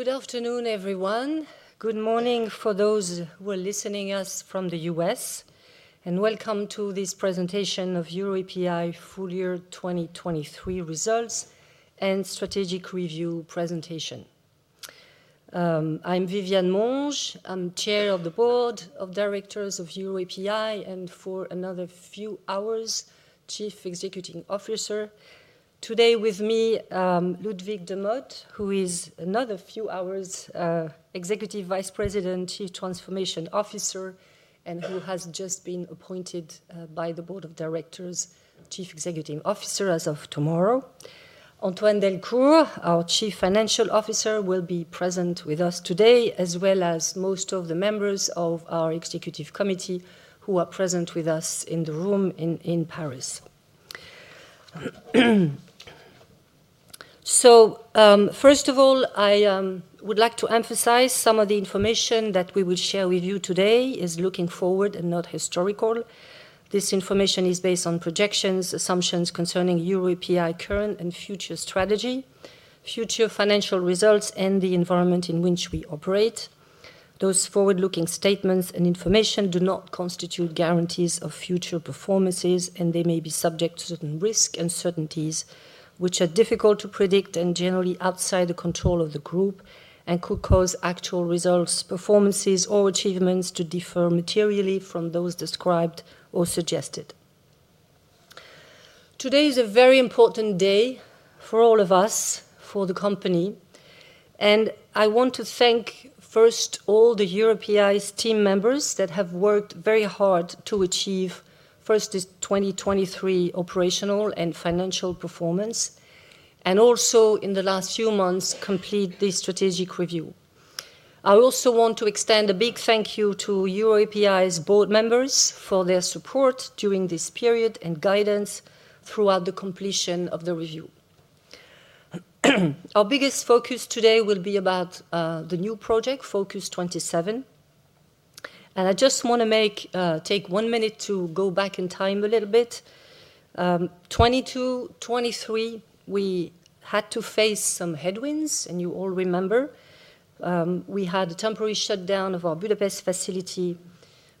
Good afternoon, everyone. Good morning for those who are listening to us from the U.S., and welcome to this presentation of EUROAPI Full Year 2023 Results and Strategic Review presentation. I'm Viviane Monges, I'm Chair of the Board of Directors of EUROAPI and, for another few hours, Chief Executive Officer. Today with me, Ludwig de Mot, who is another few hours, Executive Vice President, Chief Transformation Officer, and who has just been appointed, by the Board of Directors, Chief Executive Officer as of tomorrow. Antoine Delcour, our Chief Financial Officer, will be present with us today, as well as most of the members of our Executive Committee who are present with us in the room in Paris. First of all, I would like to emphasize some of the information that we will share with you today is looking forward and not historical. This information is based on projections, assumptions concerning EUROAPI current and future strategy, future financial results, and the environment in which we operate. Those forward-looking statements and information do not constitute guarantees of future performances, and they may be subject to certain risks and certainties which are difficult to predict and generally outside the control of the group and could cause actual results, performances, or achievements to differ materially from those described or suggested. Today is a very important day for all of us, for the company, and I want to thank, first, all the EUROAPI's team members that have worked very hard to achieve, first, this 2023 operational and financial performance, and also, in the last few months, complete this strategic review. I also want to extend a big thank you to EUROAPI's board members for their support during this period and guidance throughout the completion of the review. Our biggest focus today will be about the new project, FOCUS-27, and I just wanna take one minute to go back in time a little bit. 2022, 2023, we had to face some headwinds, and you all remember, we had a temporary shutdown of our Budapest facility.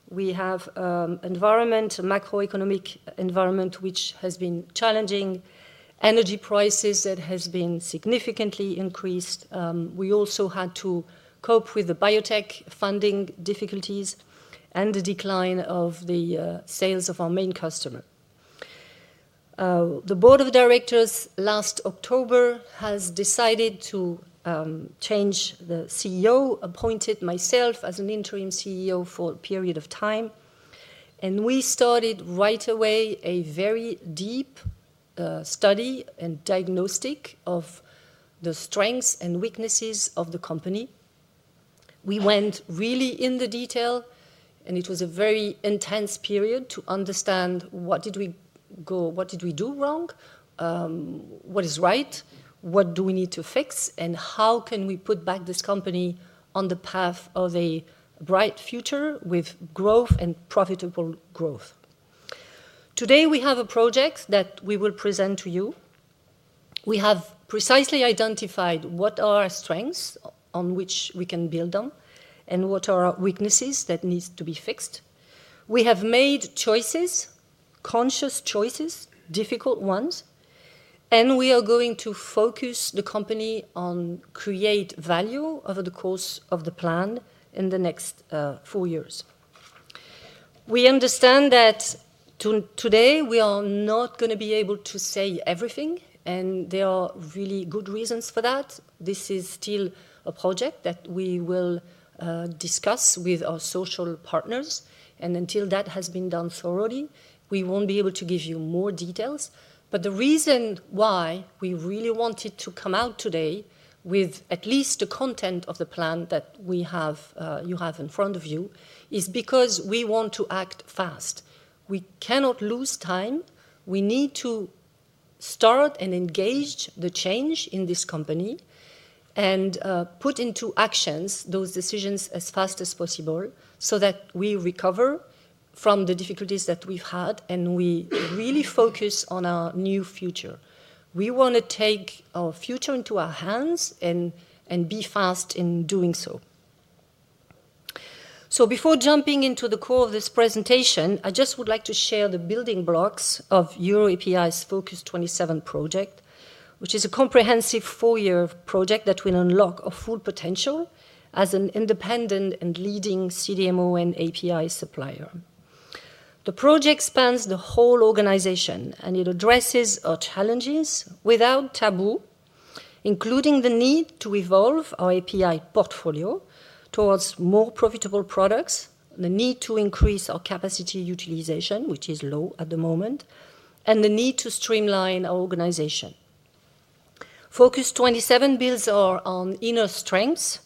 We have a macroeconomic environment which has been challenging, energy prices that have been significantly increased. We also had to cope with the biotech funding difficulties and the decline of the sales of our main customer. The Board of Directors last October has decided to change the CEO, appointed myself as an interim CEO for a period of time, and we started right away a very deep study and diagnostic of the strengths and weaknesses of the company. We went really in the detail, and it was a very intense period to understand what did we go what did we do wrong, what is right, what do we need to fix, and how can we put back this company on the path of a bright future with growth and profitable growth. Today, we have a project that we will present to you. We have precisely identified what are our strengths on which we can build them and what are our weaknesses that need to be fixed. We have made choices, conscious choices, difficult ones, and we are going to focus the company on creating value over the course of the plan in the next 4 years. We understand that today, we are not gonna be able to say everything, and there are really good reasons for that. This is still a project that we will discuss with our social partners, and until that has been done thoroughly, we won't be able to give you more details. But the reason why we really wanted to come out today with at least the content of the plan that we have, you have in front of you is because we want to act fast. We cannot lose time. We need to start and engage the change in this company and put into actions those decisions as fast as possible so that we recover from the difficulties that we've had and we really focus on our new future. We wanna take our future into our hands and be fast in doing so. So before jumping into the core of this presentation, I just would like to share the building blocks of EUROAPI's FOCUS-27 project, which is a comprehensive four-year project that will unlock our full potential as an independent and leading CDMO and API supplier. The project spans the whole organization, and it addresses our challenges without taboo, including the need to evolve our API portfolio towards more profitable products, the need to increase our capacity utilization, which is low at the moment, and the need to streamline our organization. FOCUS-27 builds on inner strengths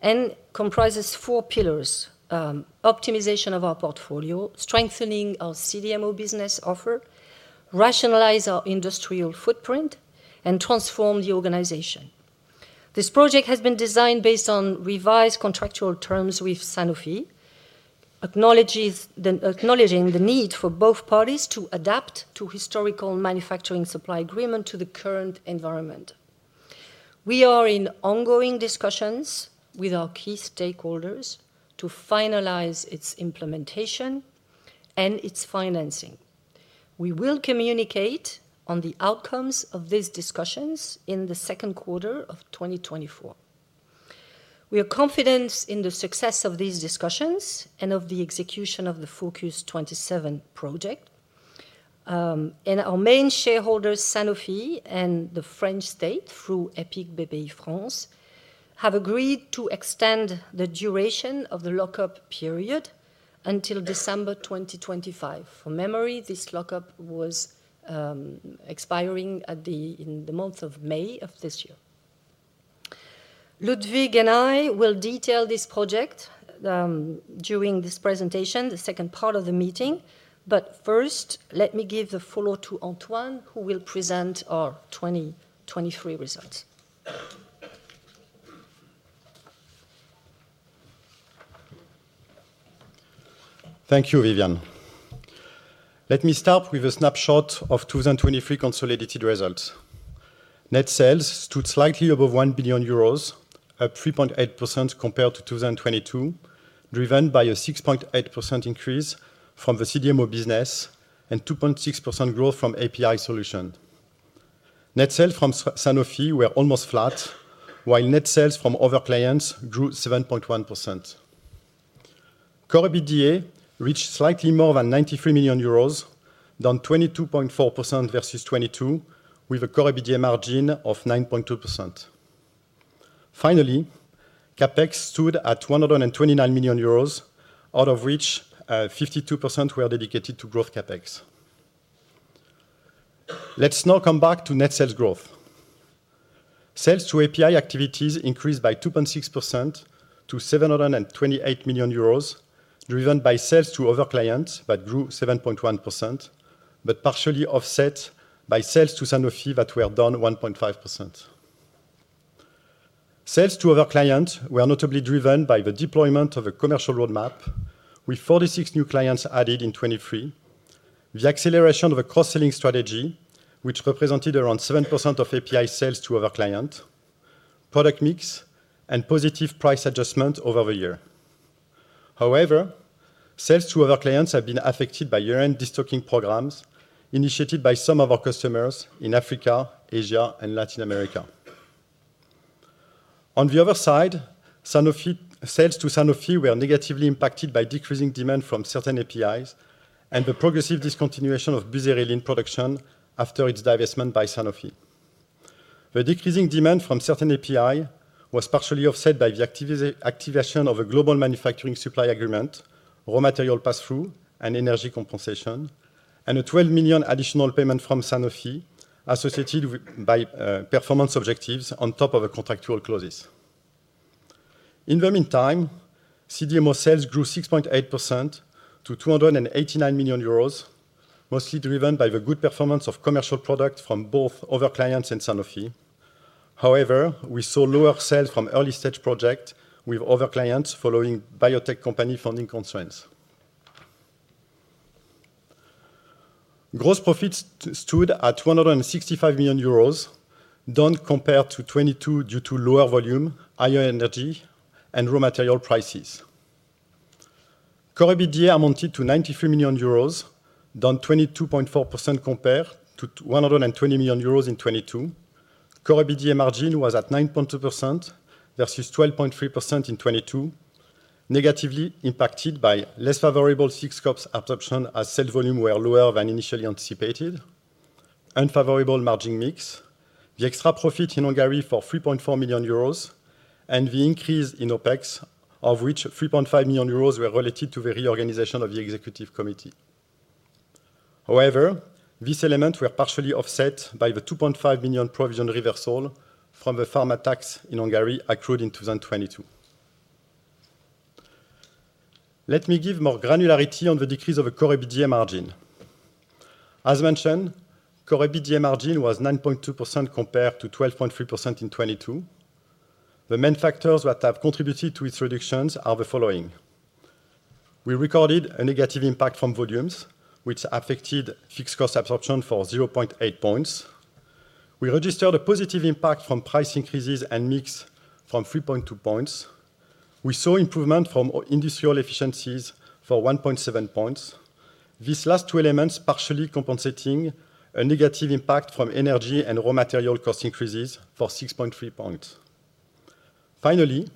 and comprises four pillars, optimization of our portfolio, strengthening our CDMO business offer, rationalize our industrial footprint, and transform the organization. This project has been designed based on revised contractual terms with Sanofi, acknowledges the need for both parties to adapt to historical manufacturing supply agreement to the current environment. We are in ongoing discussions with our key stakeholders to finalize its implementation and its financing. We will communicate on the outcomes of these discussions in the second quarter of 2024. We are confident in the success of these discussions and of the execution of the FOCUS-27 project. Our main shareholders, Sanofi and the French State through EPIC Bpifrance, have agreed to extend the duration of the lockup period until December 2025. For memory, this lockup was expiring in the month of May of this year. Ludwig and I will detail this project during this presentation, the second part of the meeting. But first, let me give the follow-through to Antoine, who will present our 2023 results. Thank you, Viviane. Let me start with a snapshot of 2023 consolidated results. Net sales stood slightly above 1 billion euros, up 3.8% compared to 2022, driven by a 6.8% increase from the CDMO business and 2.6% growth from API solutions. Net sales from Sanofi were almost flat, while net sales from other clients grew 7.1%. Core EBITDA reached slightly more than 93 million euros, down 22.4% versus 2022, with a core EBITDA margin of 9.2%. Finally, CapEx stood at 129 million euros, out of which, 52% were dedicated to growth CapEx. Let's now come back to net sales growth. Sales to API activities increased by 2.6% to 728 million euros, driven by sales to other clients that grew 7.1% but partially offset by sales to Sanofi that were down 1.5%. Sales to other clients were notably driven by the deployment of a commercial roadmap with 46 new clients added in 2023, the acceleration of a cross-selling strategy which represented around 7% of API sales to other clients, product mix, and positive price adjustment over the year. However, sales to other clients have been affected by year-end destocking programs initiated by some of our customers in Africa, Asia, and Latin America. On the other side, Sanofi sales to Sanofi were negatively impacted by decreasing demand from certain APIs and the progressive discontinuation of buserelin in production after its divestment by Sanofi. The decreasing demand from certain API was partially offset by the activation of a global manufacturing supply agreement, raw material pass-through, and energy compensation, and a 12 million additional payment from Sanofi associated with by performance objectives on top of the contractual clauses. In the meantime, CDMO sales grew 6.8% to 289 million euros, mostly driven by the good performance of commercial products from both other clients and Sanofi. However, we saw lower sales from early-stage projects with other clients following biotech company funding constraints. Gross profits stood at 265 million euros, down compared to 2022 due to lower volume, higher energy, and raw material prices. Core EBITDA amounted to 93 million euros, down 22.4% compared to 120 million euros in 2022. Core EBITDA margin was at 9.2% versus 12.3% in 2022, negatively impacted by less favorable fixed costs absorption as sales volume were lower than initially anticipated, unfavorable margin mix, the extra profit in Hungary for 3.4 million euros, and the increase in OpEx, of which 3.5 million euros were related to the reorganization of the Executive Committee. However, these elements were partially offset by the 2.5 million provision reversal from the pharma tax in Hungary accrued in 2022. Let me give more granularity on the decrease of the core EBITDA margin. As mentioned, core EBITDA margin was 9.2% compared to 12.3% in 2022. The main factors that have contributed to its reductions are the following. We recorded a negative impact from volumes, which affected fixed costs absorption for 0.8 points. We registered a positive impact from price increases and mix from 3.2 points. We saw improvement from industrial efficiencies for 1.7 points, these last two elements partially compensating a negative impact from energy and raw material cost increases for 6.3 points. Finally,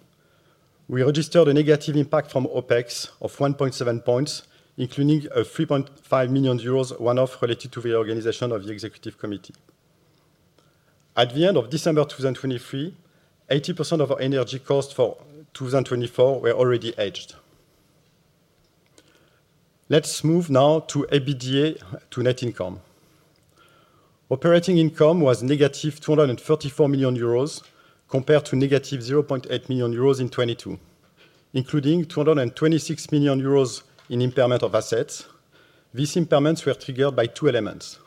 we registered a negative impact from OpEx of 1.7 points, including a 3.5 million euros one-off related to the reorganization of the Executive Committee. At the end of December 2023, 80% of our energy costs for 2024 were already hedged. Let's move now to EBITDA to net income. Operating income was negative 234 million euros compared to negative 0.8 million euros in 2022, including 226 million euros in impairment of assets. These impairments were triggered by two elements.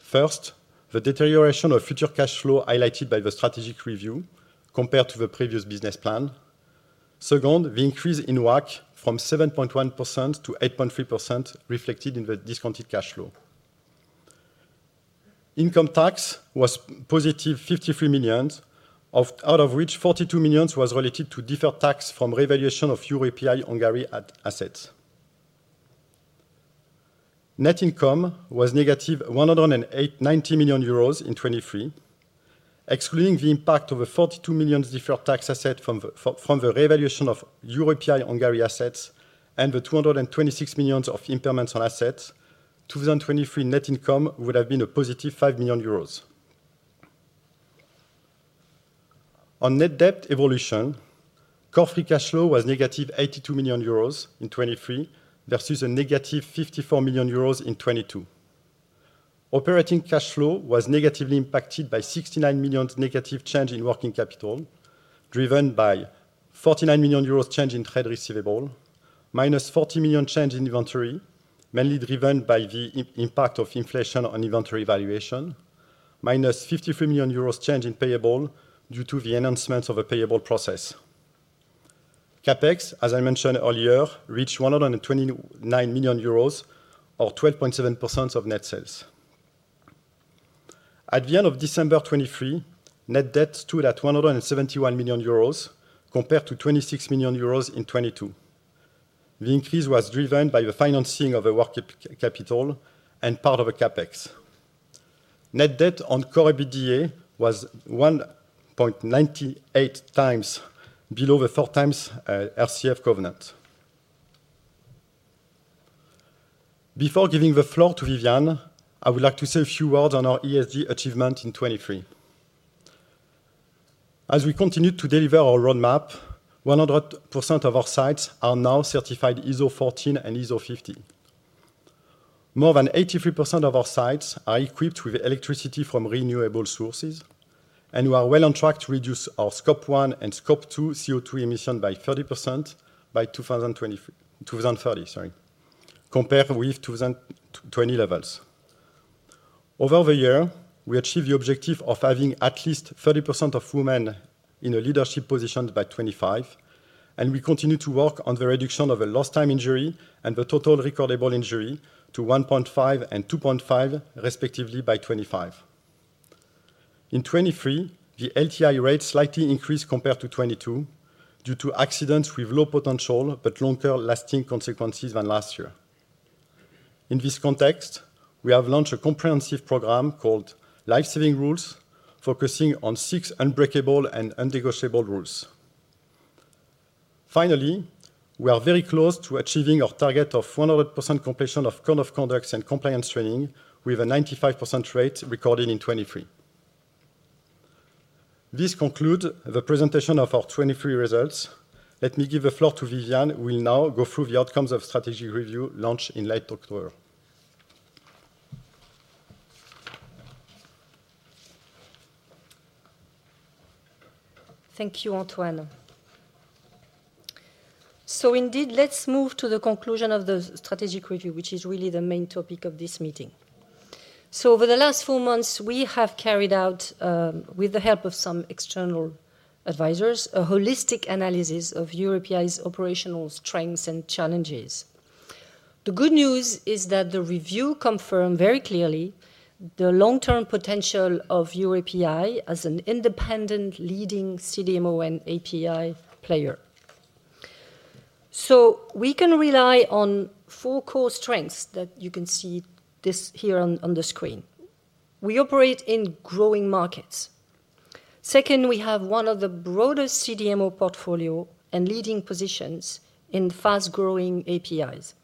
First, the deterioration of future cash flow highlighted by the strategic review compared to the previous business plan. Second, the increase in WACC from 7.1%-8.3% reflected in the discounted cash flow. Income tax was positive 53 million, out of which 42 million was related to deferred tax from revaluation of EUROAPI Hungary assets. Net income was negative 190 million euros in 2023. Excluding the impact of the 42 million deferred tax asset from the revaluation of EUROAPI Hungary assets and the 226 million of impairments on assets, 2023 net income would have been a positive 5 million euros. On net debt evolution, core Free Cash Flow was negative 82 million euros in 2023 versus a negative 54 million euros in 2022. Operating cash flow was negatively impacted by 69 million negative change in working capital, driven by 49 million euros change in trade receivable, minus 40 million change in inventory, mainly driven by the impact of inflation on inventory valuation, minus 53 million euros change in payable due to the enhancements of the payable process. CapEx, as I mentioned earlier, reached 129 million euros or 12.7% of net sales. At the end of December 2023, net debt stood at 171 million euros compared to 26 million euros in 2022. The increase was driven by the financing of the working capital and part of the CapEx. Net debt on core EBITDA was 1.98x below the 4x RCF covenant. Before giving the floor to Viviane, I would like to say a few words on our ESG achievement in 2023. As we continue to deliver our roadmap, 100% of our sites are now certified ISO 14 and ISO 50. More than 83% of our sites are equipped with electricity from renewable sources and we are well on track to reduce our Scope 1 and Scope 2 CO2 emissions by 30% by 2023 2030, sorry, compared with 2020 levels. Over the year, we achieved the objective of having at least 30% of women in a leadership position by 2025, and we continue to work on the reduction of the lost-time injury and the total recordable injury to 1.5 and 2.5 respectively by 2025. In 2023, the LTI rate slightly increased compared to 2022 due to accidents with low potential but longer-lasting consequences than last year. In this context, we have launched a comprehensive program called Life Saving Rules focusing on six unbreakable and non-negotiable rules. Finally, we are very close to achieving our target of 100% completion of code of conduct and compliance training with a 95% rate recorded in 2023. This concludes the presentation of our 2023 results. Let me give the floor to Viviane, who will now go through the outcomes of strategic review launched in late October. Thank you, Antoine. So indeed, let's move to the conclusion of the strategic review, which is really the main topic of this meeting. So over the last four months, we have carried out, with the help of some external advisors, a holistic analysis of EUROAPI's operational strengths and challenges. The good news is that the review confirmed very clearly the long-term potential of EUROAPI as an independent leading CDMO and API player. So we can rely on four core strengths that you can see here on the screen. We operate in growing markets. Second, we have one of the broadest CDMO portfolio and leading positions in fast-growing APIs.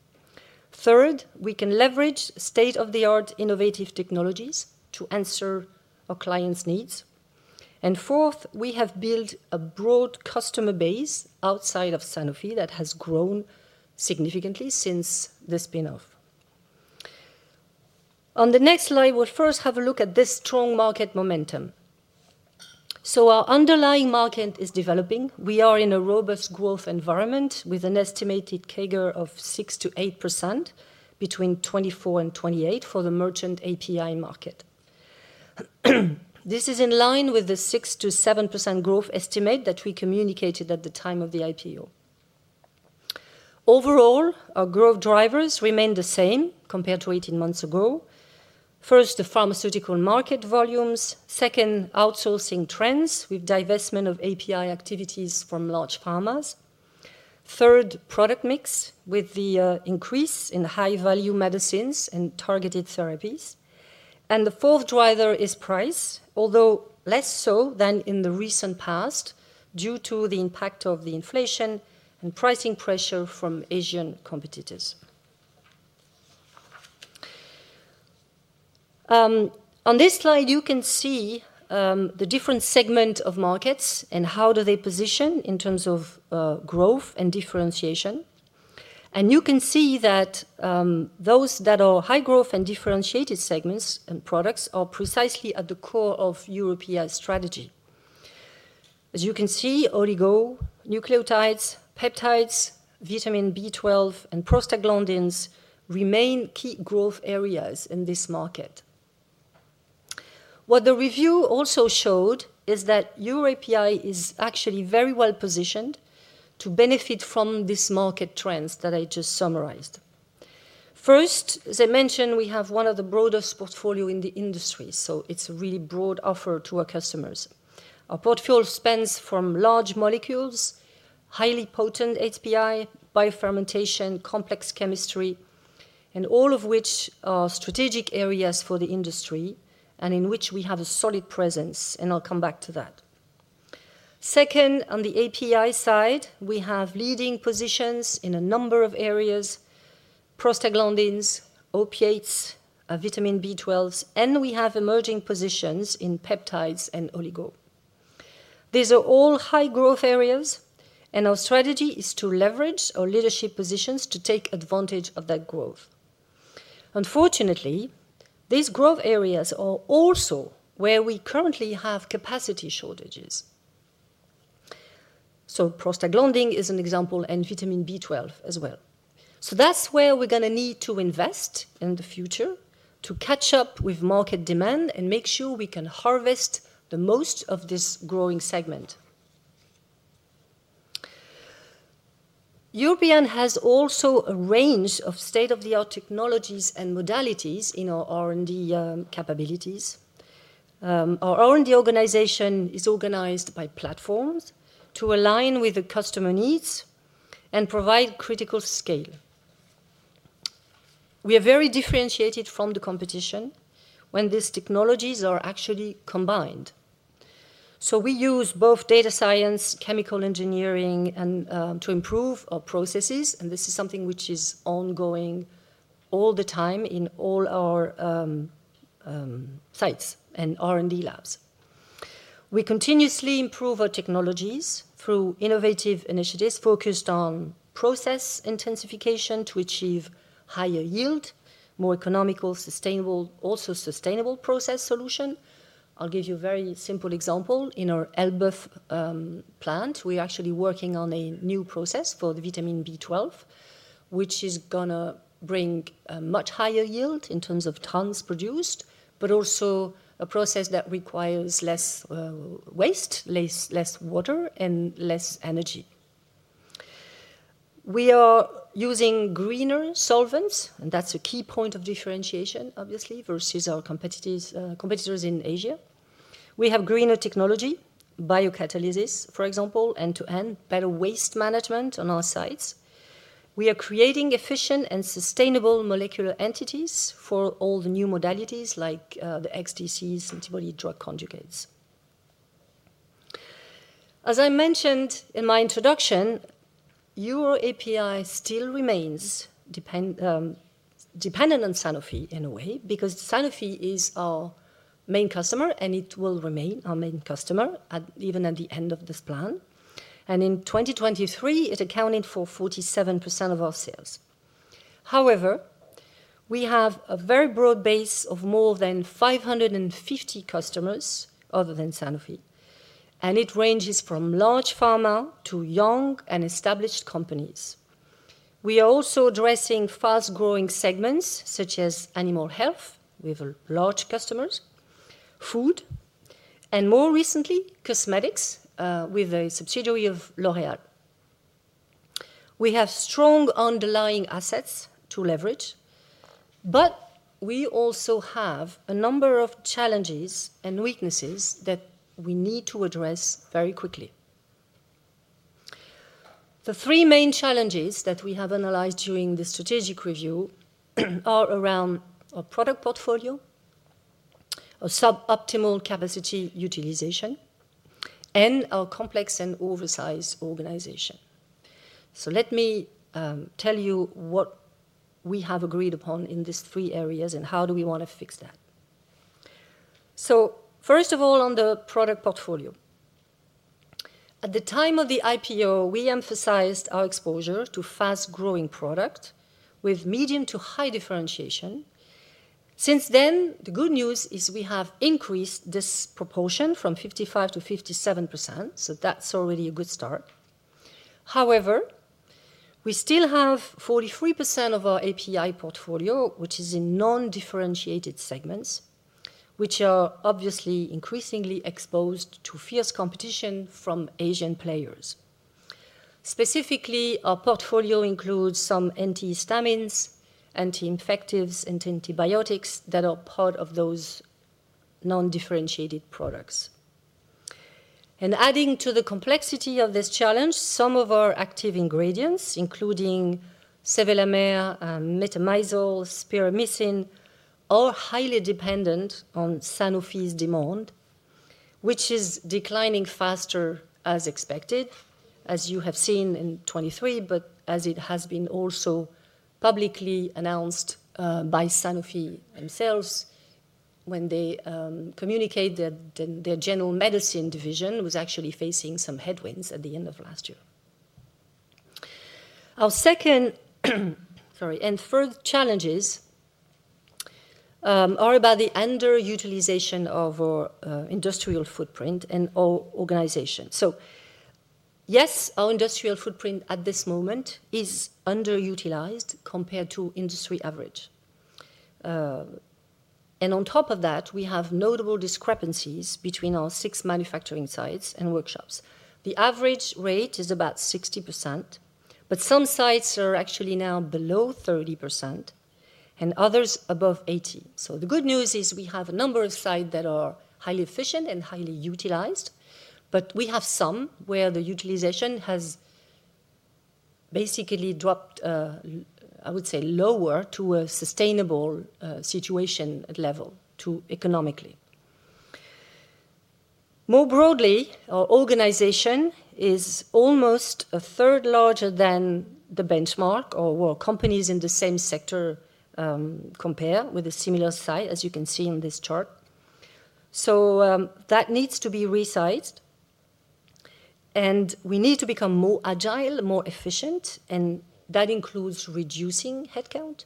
Third, we can leverage state-of-the-art innovative technologies to answer our clients' needs. And fourth, we have built a broad customer base outside of Sanofi that has grown significantly since the spinoff. On the next slide, we'll first have a look at this strong market momentum. So our underlying market is developing. We are in a robust growth environment with an estimated CAGR of 6%-8% between 2024 and 2028 for the merchant API market. This is in line with the 6%-7% growth estimate that we communicated at the time of the IPO. Overall, our growth drivers remain the same compared to 18 months ago. First, the pharmaceutical market volumes. Second, outsourcing trends with divestment of API activities from large pharmas. Third, product mix with the increase in high-value medicines and targeted therapies. And the fourth driver is price, although less so than in the recent past due to the impact of the inflation and pricing pressure from Asian competitors. On this slide, you can see the different segments of markets and how they position in terms of growth and differentiation. You can see that those that are high-growth and differentiated segments and products are precisely at the core of EUROAPI's strategy. As you can see, oligonucleotides, peptides, vitamin B12, and prostaglandins remain key growth areas in this market. What the review also showed is that EUROAPI is actually very well positioned to benefit from these market trends that I just summarized. First, as I mentioned, we have one of the broadest portfolios in the industry, so it's a really broad offer to our customers. Our portfolio spans from large molecules, highly potent HPAPIs, biofermentation, complex chemistry, and all of which are strategic areas for the industry and in which we have a solid presence, and I'll come back to that. Second, on the API side, we have leading positions in a number of areas, prostaglandins, opiates, vitamin B12s, and we have emerging positions in peptides and oligo. These are all high-growth areas, and our strategy is to leverage our leadership positions to take advantage of that growth. Unfortunately, these growth areas are also where we currently have capacity shortages. So prostaglandin is an example and vitamin B12 as well. So that's where we're gonna need to invest in the future to catch up with market demand and make sure we can harvest the most of this growing segment. EUROAPI has also a range of state-of-the-art technologies and modalities in our R&D capabilities. Our R&D organization is organized by platforms to align with the customer needs and provide critical scale. We are very differentiated from the competition when these technologies are actually combined. So we use both data science, chemical engineering, and to improve our processes, and this is something which is ongoing all the time in all our sites and R&D labs. We continuously improve our technologies through innovative initiatives focused on process intensification to achieve higher yield, more economical, sustainable, also sustainable process solution. I'll give you a very simple example. In our Elbeuf plant, we're actually working on a new process for the vitamin B12, which is gonna bring much higher yield in terms of tons produced, but also a process that requires less waste, less water, and less energy. We are using greener solvents, and that's a key point of differentiation, obviously, versus our competitors in Asia. We have greener technology, biocatalysis, for example, end-to-end, better waste management on our sites. We are creating efficient and sustainable molecular entities for all the new modalities like the XDCs, antibody-drug conjugates. As I mentioned in my introduction, EUROAPI still remains dependent on Sanofi in a way because Sanofi is our main customer, and it will remain our main customer at even at the end of this plan. In 2023, it accounted for 47% of our sales. However, we have a very broad base of more than 550 customers other than Sanofi, and it ranges from large pharma to young and established companies. We are also addressing fast-growing segments such as animal health with large customers, food, and more recently, cosmetics, with a subsidiary of L'Oréal. We have strong underlying assets to leverage, but we also have a number of challenges and weaknesses that we need to address very quickly. The three main challenges that we have analyzed during the strategic review are around our product portfolio, our suboptimal capacity utilization, and our complex and oversized organization. So let me tell you what we have agreed upon in these three areas and how do we wanna fix that. So first of all, on the product portfolio. At the time of the IPO, we emphasized our exposure to fast-growing products with medium to high differentiation. Since then, the good news is we have increased this proportion from 55%-57%, so that's already a good start. However, we still have 43% of our API portfolio, which is in non-differentiated segments, which are obviously increasingly exposed to fierce competition from Asian players. Specifically, our portfolio includes some antihistamines, anti-infectives, and antibiotics that are part of those non-differentiated products. Adding to the complexity of this challenge, some of our active ingredients, including sevelamer, metamizole, spiramycin, are highly dependent on Sanofi's demand, which is declining faster as expected, as you have seen in 2023, but as it has been also publicly announced, by Sanofi themselves when they communicate that their general medicine division was actually facing some headwinds at the end of last year. Our second sorry, and third challenges, are about the underutilization of our industrial footprint and our organization. Yes, our industrial footprint at this moment is underutilized compared to industry average. On top of that, we have notable discrepancies between our six manufacturing sites and workshops. The average rate is about 60%, but some sites are actually now below 30% and others above 80%. So the good news is we have a number of sites that are highly efficient and highly utilized, but we have some where the utilization has basically dropped, I would say, lower to a sustainable situation level economically. More broadly, our organization is almost a third larger than the benchmark or where companies in the same sector compare with a similar site, as you can see in this chart. So, that needs to be resized. And we need to become more agile, more efficient, and that includes reducing headcount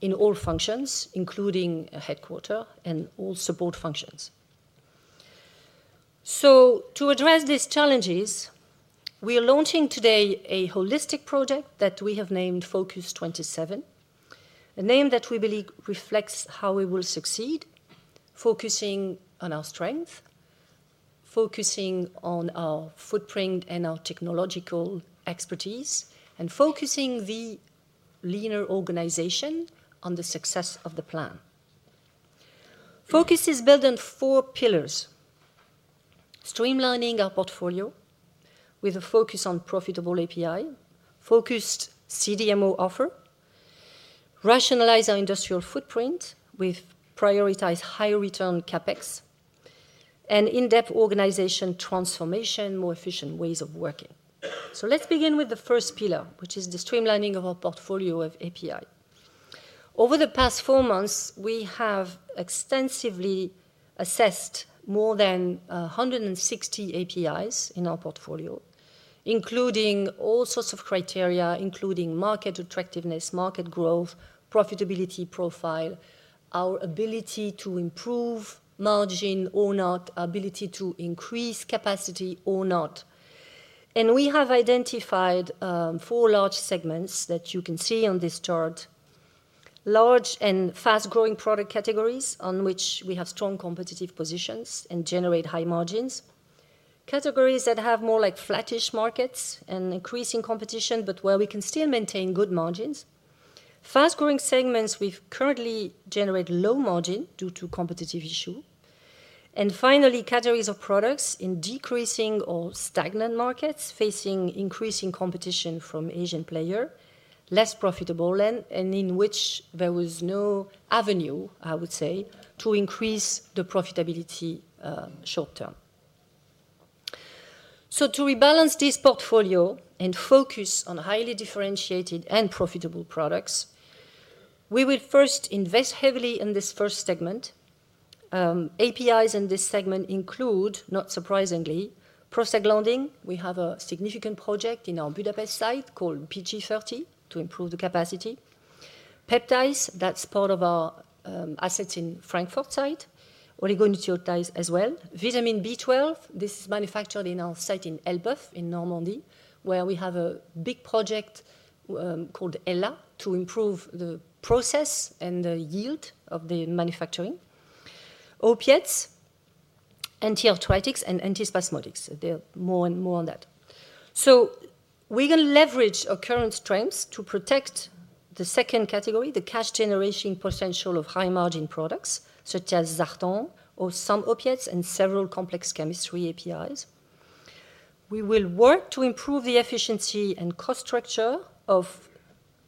in all functions, including headquarters and all support functions. So to address these challenges, we are launching today a holistic project that we have named FOCUS-27, a name that we believe reflects how we will succeed, focusing on our strengths, focusing on our footprint and our technological expertise, and focusing the leaner organization on the success of the plan. Focus is built on four pillars: streamlining our portfolio with a focus on profitable API, focused CDMO offer, rationalize our industrial footprint with prioritized high-return CapEx, and in-depth organization transformation, more efficient ways of working. So let's begin with the first pillar, which is the streamlining of our portfolio of API. Over the past four months, we have extensively assessed more than 160 APIs in our portfolio, including all sorts of criteria, including market attractiveness, market growth, profitability profile, our ability to improve margin or not, ability to increase capacity or not. And we have identified four large segments that you can see on this chart: large and fast-growing product categories on which we have strong competitive positions and generate high margins; categories that have more like flattish markets and increasing competition but where we can still maintain good margins; fast-growing segments with currently generate low margin due to competitive issues; and finally, categories of products in decreasing or stagnant markets facing increasing competition from Asian players, less profitable and in which there was no avenue, I would say, to increase the profitability, short term. So to rebalance this portfolio and focus on highly differentiated and profitable products, we will first invest heavily in this first segment. APIs in this segment include, not surprisingly, prostaglandins. We have a significant project in our Budapest site called PG30 to improve the capacity. Peptides, that's part of our assets in Frankfurt site. Oligonucleotides as well. Vitamin B12. This is manufactured in our site in Elbeuf in Normandy, where we have a big project called ELLA to improve the process and the yield of the manufacturing. Opiates. Antiarthritics. And antispasmodics. There are more and more on that. So we're gonna leverage our current strengths to protect the second category, the cash-generating potential of high-margin products such as sartan or some opiates and several complex chemistry APIs. We will work to improve the efficiency and cost structure of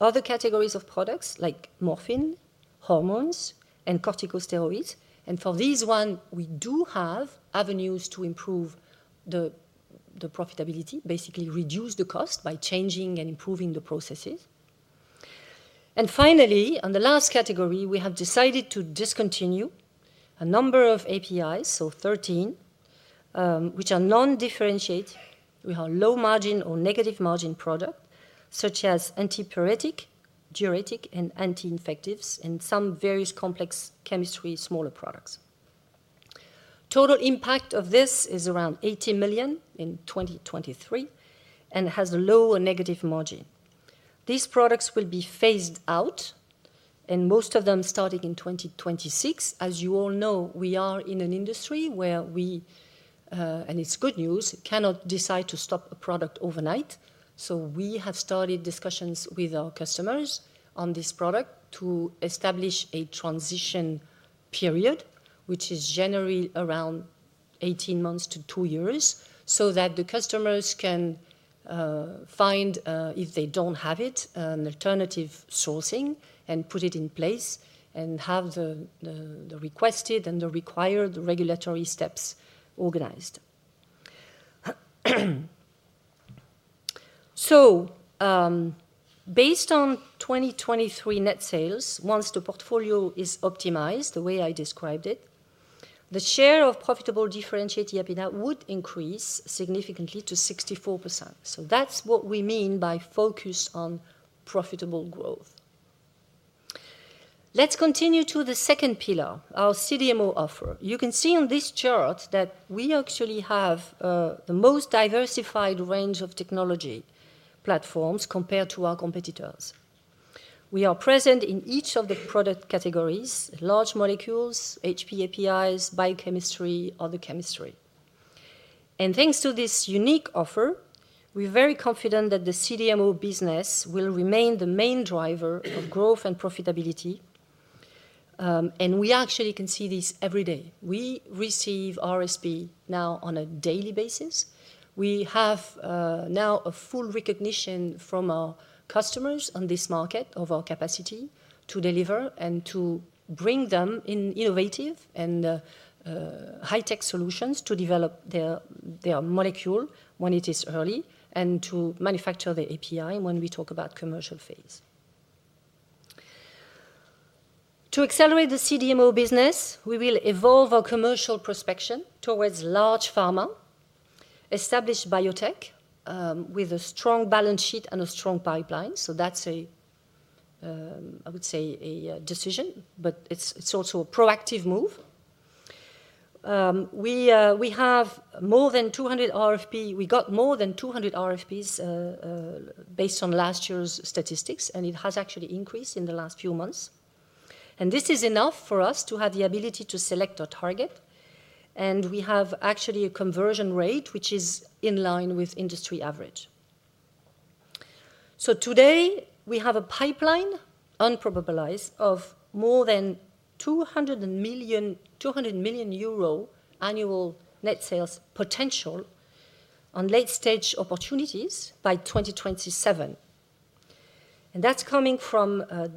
other categories of products like morphine, hormones, and corticosteroids. And for these ones, we do have avenues to improve the profitability, basically reduce the cost by changing and improving the processes. Finally, on the last category, we have decided to discontinue a number of APIs, so 13, which are non-differentiated. We have low-margin or negative-margin products such as antipyretic, diuretic, and anti-infectives, and some various complex chemistry smaller products. Total impact of this is around 80 million in 2023 and has a low or negative margin. These products will be phased out, and most of them starting in 2026. As you all know, we are in an industry where we and it's good news, cannot decide to stop a product overnight. We have started discussions with our customers on this product to establish a transition period, which is generally around 18 months to two years, so that the customers can find, if they don't have it, an alternative sourcing and put it in place and have the requested and the required regulatory steps organized. So, based on 2023 net sales, once the portfolio is optimized the way I described it, the share of profitable differentiated API would increase significantly to 64%. So that's what we mean by focus on profitable growth. Let's continue to the second pillar, our CDMO offer. You can see on this chart that we actually have the most diversified range of technology platforms compared to our competitors. We are present in each of the product categories: large molecules, HP APIs, biochemistry, other chemistry. And thanks to this unique offer, we're very confident that the CDMO business will remain the main driver of growth and profitability. And we actually can see this every day. We receive RFPs now on a daily basis. We have now a full recognition from our customers on this market of our capacity to deliver and to bring them in innovative and high-tech solutions to develop their, their molecule when it is early and to manufacture the API when we talk about commercial phase. To accelerate the CDMO business, we will evolve our commercial prospection towards large pharma, established biotech, with a strong balance sheet and a strong pipeline. So that's, I would say, a decision, but it's also a proactive move. We have more than 200 RFPs. We got more than 200 RFPs, based on last year's statistics, and it has actually increased in the last few months. This is enough for us to have the ability to select our target. We have actually a conversion rate which is in line with industry average. So today, we have a pipeline probably of more than 200 million euro annual net sales potential on late-stage opportunities by 2027. And that's coming from a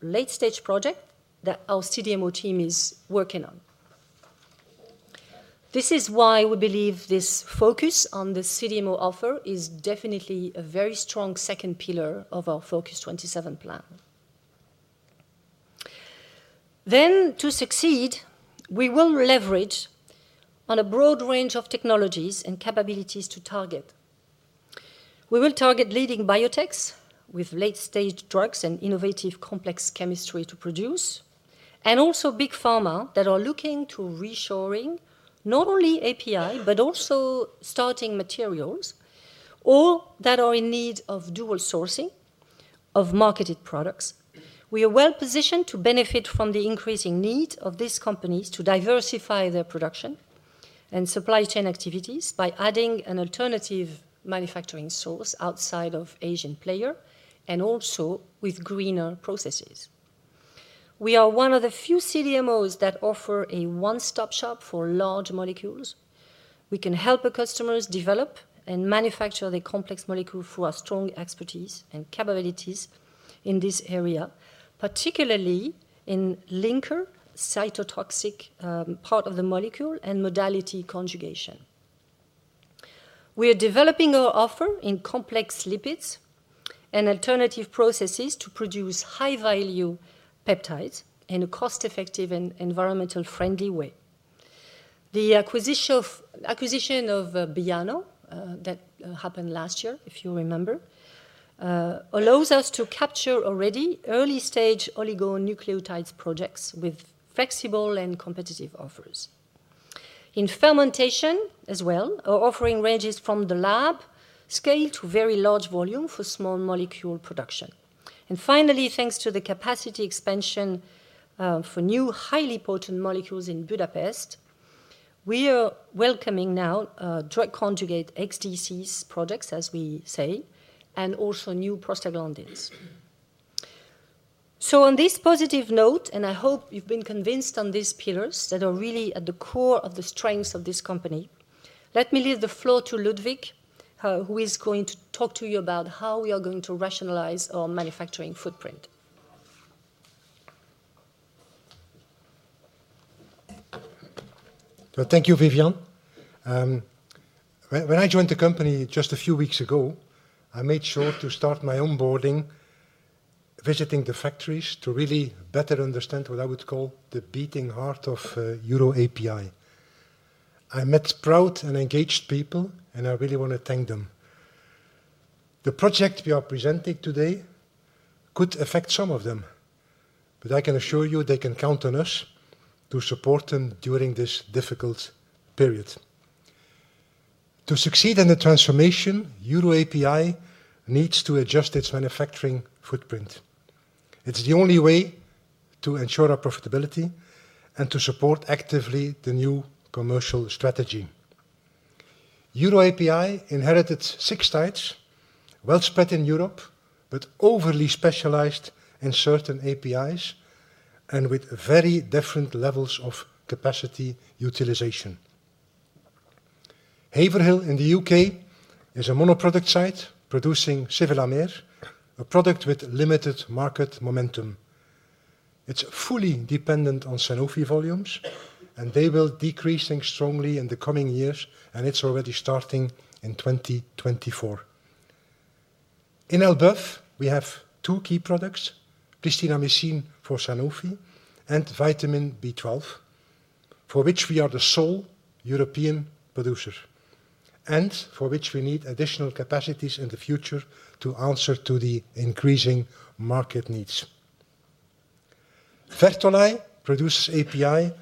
late-stage project that our CDMO team is working on. This is why we believe this focus on the CDMO offer is definitely a very strong second pillar of our FOCUS-27 plan. Then, to succeed, we will leverage on a broad range of technologies and capabilities to target. We will target leading biotechs with late-stage drugs and innovative complex chemistry to produce, and also big pharma that are looking to reshoring not only API but also starting materials or that are in need of dual sourcing of marketed products. We are well positioned to benefit from the increasing need of these companies to diversify their production and supply chain activities by adding an alternative manufacturing source outside of Asian players and also with greener processes. We are one of the few CDMOs that offer a one-stop shop for large molecules. We can help our customers develop and manufacture the complex molecule through our strong expertise and capabilities in this area, particularly in linker cytotoxic, part of the molecule and modality conjugation. We are developing our offer in complex lipids and alternative processes to produce high-value peptides in a cost-effective and environmentally friendly way. The acquisition of Biano that happened last year, if you remember, allows us to capture already early-stage oligonucleotides projects with flexible and competitive offers. In fermentation as well, our offering ranges from the lab scale to very large volume for small molecule production. And finally, thanks to the capacity expansion, for new highly potent molecules in Budapest, we are welcoming now drug-conjugate XDCs projects, as we say, and also new prostaglandins. So on this positive note and I hope you've been convinced on these pillars that are really at the core of the strengths of this company, let me leave the floor to Ludwig, who is going to talk to you about how we are going to rationalize our manufacturing footprint. Well, thank you, Viviane. When, when I joined the company just a few weeks ago, I made sure to start my onboarding visiting the factories to really better understand what I would call the beating heart of EUROAPI. I met proud and engaged people, and I really wanna thank them. The project we are presenting today could affect some of them, but I can assure you they can count on us to support them during this difficult period. To succeed in the transformation, EUROAPI needs to adjust its manufacturing footprint. It's the only way to ensure our profitability and to support actively the new commercial strategy. EUROAPI inherited six sites, well spread in Europe but overly specialized in certain APIs and with very different levels of capacity utilization. Haverhill in the U.K. is a monoproduct site producing sevelamer, a product with limited market momentum. It's fully dependent on Sanofi volumes, and they will be decreasing strongly in the coming years, and it's already starting in 2024. In Elbeuf, we have two key products: pristinamycin for Sanofi and vitamin B12, for which we are the sole European producer and for which we need additional capacities in the future to answer to the increasing market needs. Vertolaye produces API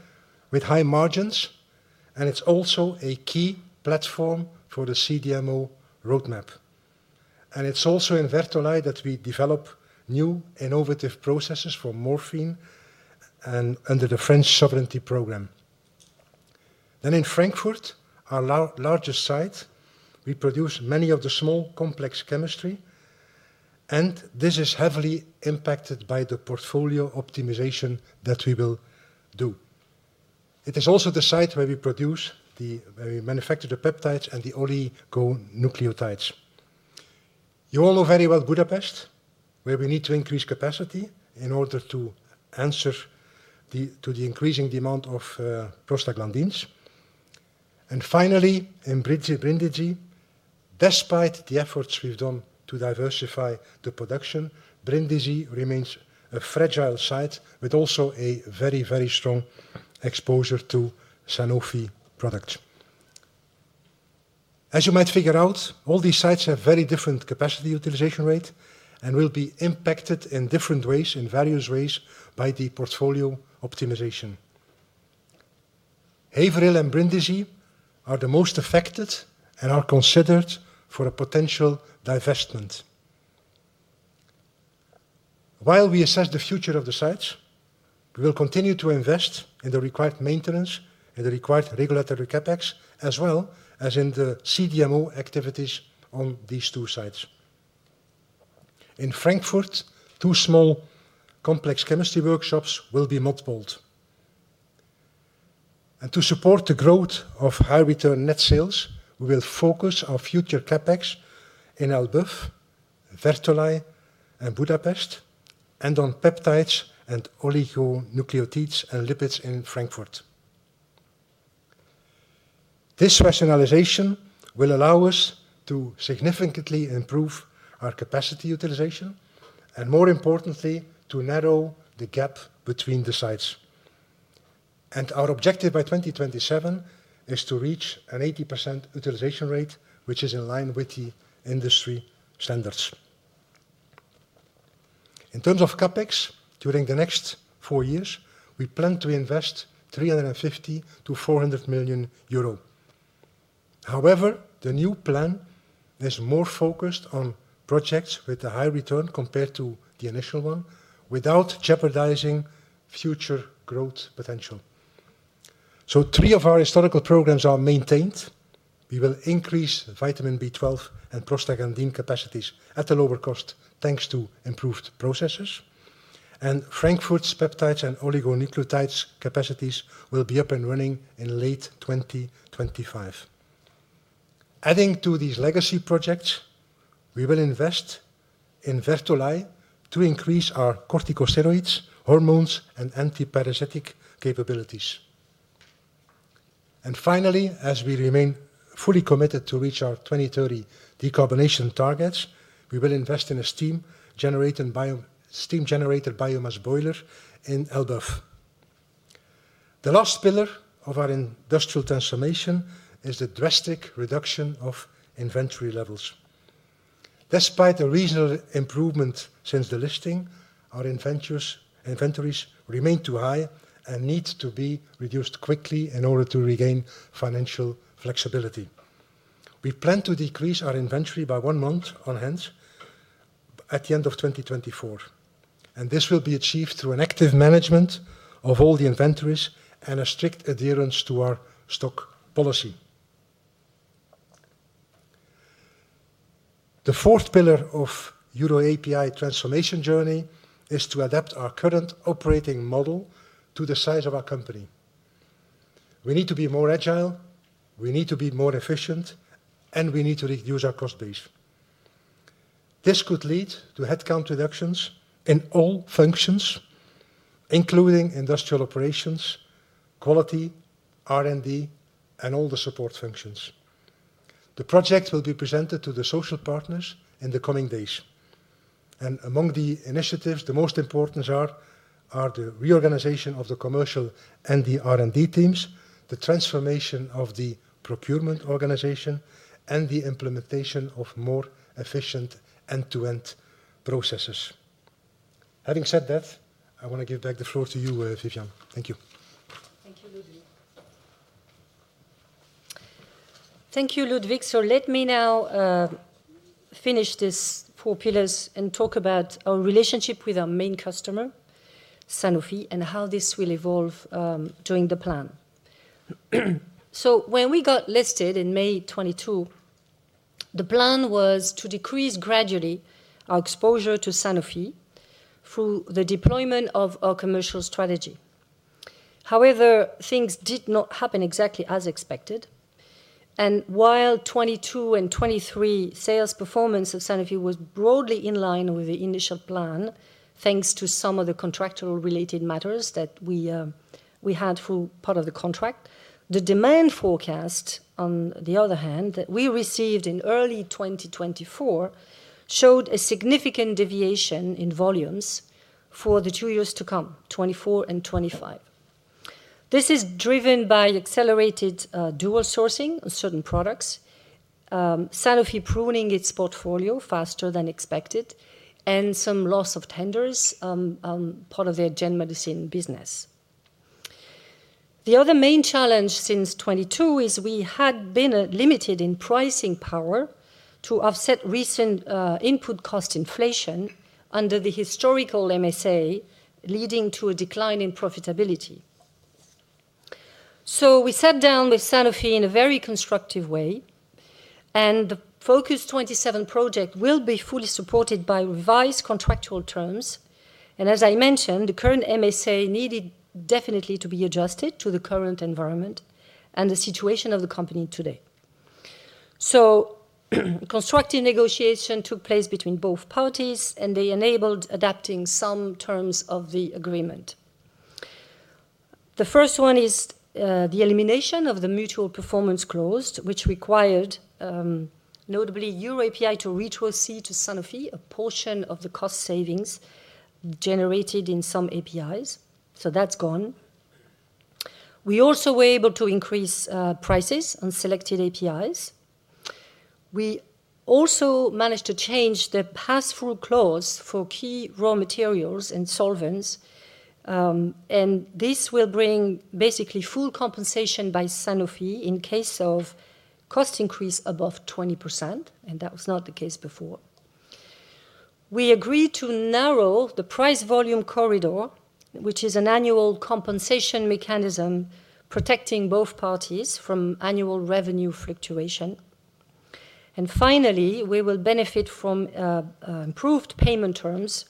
with high margins, and it's also a key platform for the CDMO roadmap. It's also in Vertolaye that we develop new innovative processes for morphine and under the French sovereignty program. In Frankfurt, our largest site, we produce many of the small complex chemistry, and this is heavily impacted by the portfolio optimization that we will do. It is also the site where we manufacture the peptides and the oligonucleotides. You all know very well Budapest, where we need to increase capacity in order to answer to the increasing demand of prostaglandins. And finally, in Brindisi, despite the efforts we've done to diversify the production, Brindisi remains a fragile site with also a very, very strong exposure to Sanofi products. As you might figure out, all these sites have very different capacity utilization rates and will be impacted in different ways, in various ways, by the portfolio optimization. Haverhill and Brindisi are the most affected and are considered for a potential divestment. While we assess the future of the sites, we will continue to invest in the required maintenance and the required regulatory CapEx as well as in the CDMO activities on these two sites. In Frankfurt, two small complex chemistry workshops will be mothballed. To support the growth of high-return net sales, we will focus our future CapEx in Elbeuf, Vertolaye, and Budapest, and on peptides and oligonucleotides and lipids in Frankfurt. This rationalization will allow us to significantly improve our capacity utilization and, more importantly, to narrow the gap between the sites. Our objective by 2027 is to reach an 80% utilization rate, which is in line with the industry standards. In terms of CapEx, during the next four years, we plan to invest 350 million-400 million euro. However, the new plan is more focused on projects with a high return compared to the initial one without jeopardizing future growth potential. Three of our historical programs are maintained. We will increase vitamin B12 and prostaglandin capacities at a lower cost thanks to improved processes. Frankfurt's peptides and oligonucleotides capacities will be up and running in late 2025. Adding to these legacy projects, we will invest in Vertolaye to increase our corticosteroids, hormones, and antiparasitic capabilities. Finally, as we remain fully committed to reach our 2030 decarbonization targets, we will invest in a steam-generating biomass boiler in Elbeuf. The last pillar of our industrial transformation is the drastic reduction of inventory levels. Despite a reasonable improvement since the listing, our inventories remain too high and need to be reduced quickly in order to regain financial flexibility. We plan to decrease our inventory by one month on hands at the end of 2024. And this will be achieved through an active management of all the inventories and a strict adherence to our stock policy. The fourth pillar of EUROAPI transformation journey is to adapt our current operating model to the size of our company. We need to be more agile. We need to be more efficient, and we need to reduce our cost base. This could lead to headcount reductions in all functions, including industrial operations, quality, R&D, and all the support functions. The project will be presented to the social partners in the coming days. And among the initiatives, the most important are the reorganization of the commercial and the R&D teams, the transformation of the procurement organization, and the implementation of more efficient end-to-end processes. Having said that, I wanna give back the floor to you, Viviane. Thank you. Thank you, Ludwig. Thank you, Ludwig. So let me now finish these four pillars and talk about our relationship with our main customer, Sanofi, and how this will evolve during the plan. So when we got listed in May 2022, the plan was to decrease gradually our exposure to Sanofi through the deployment of our commercial strategy. However, things did not happen exactly as expected. While 2022 and 2023 sales performance of Sanofi was broadly in line with the initial plan thanks to some of the contractual-related matters that we had through part of the contract, the demand forecast, on the other hand, that we received in early 2024 showed a significant deviation in volumes for the two years to come, 2024 and 2025. This is driven by accelerated, dual sourcing on certain products, Sanofi pruning its portfolio faster than expected, and some loss of tenders, part of their gen medicine business. The other main challenge since 2022 is we had been limited in pricing power to offset recent input cost inflation under the historical MSA leading to a decline in profitability. So we sat down with Sanofi in a very constructive way, and the FOCUS-27 project will be fully supported by revised contractual terms. As I mentioned, the current MSA needed definitely to be adjusted to the current environment and the situation of the company today. So constructive negotiation took place between both parties, and they enabled adapting some terms of the agreement. The first one is the elimination of the mutual performance clause, which required, notably, EUROAPI to retrocede to Sanofi a portion of the cost savings generated in some APIs. So that's gone. We also were able to increase prices on selected APIs. We also managed to change the pass-through clause for key raw materials and solvents, and this will bring basically full compensation by Sanofi in case of cost increase above 20%. And that was not the case before. We agreed to narrow the price volume corridor, which is an annual compensation mechanism protecting both parties from annual revenue fluctuation. And finally, we will benefit from improved payment terms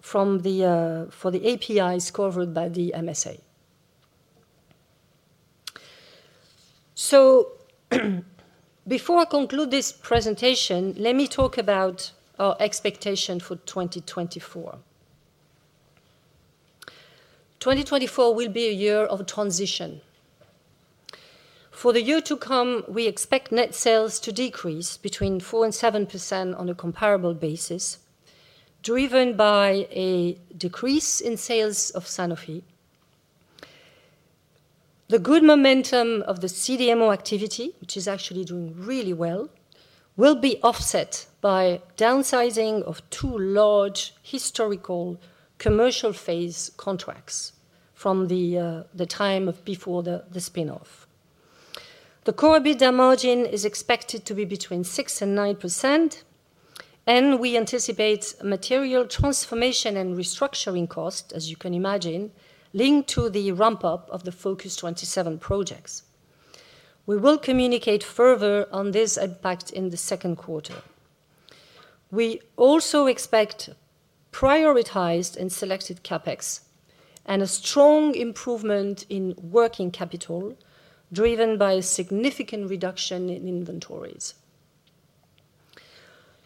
for the APIs covered by the MSA. So before I conclude this presentation, let me talk about our expectation for 2024. 2024 will be a year of transition. For the year to come, we expect net sales to decrease between 4%-7% on a comparable basis driven by a decrease in sales of Sanofi. The good momentum of the CDMO activity, which is actually doing really well, will be offset by downsizing of two large historical commercial phase contracts from the time before the spinoff. The contribution margin is expected to be between 6%-9%, and we anticipate material transformation and restructuring costs, as you can imagine, linked to the ramp-up of the FOCUS-27 projects. We will communicate further on this impact in the second quarter. We also expect prioritized and selected CapEx and a strong improvement in working capital driven by a significant reduction in inventories.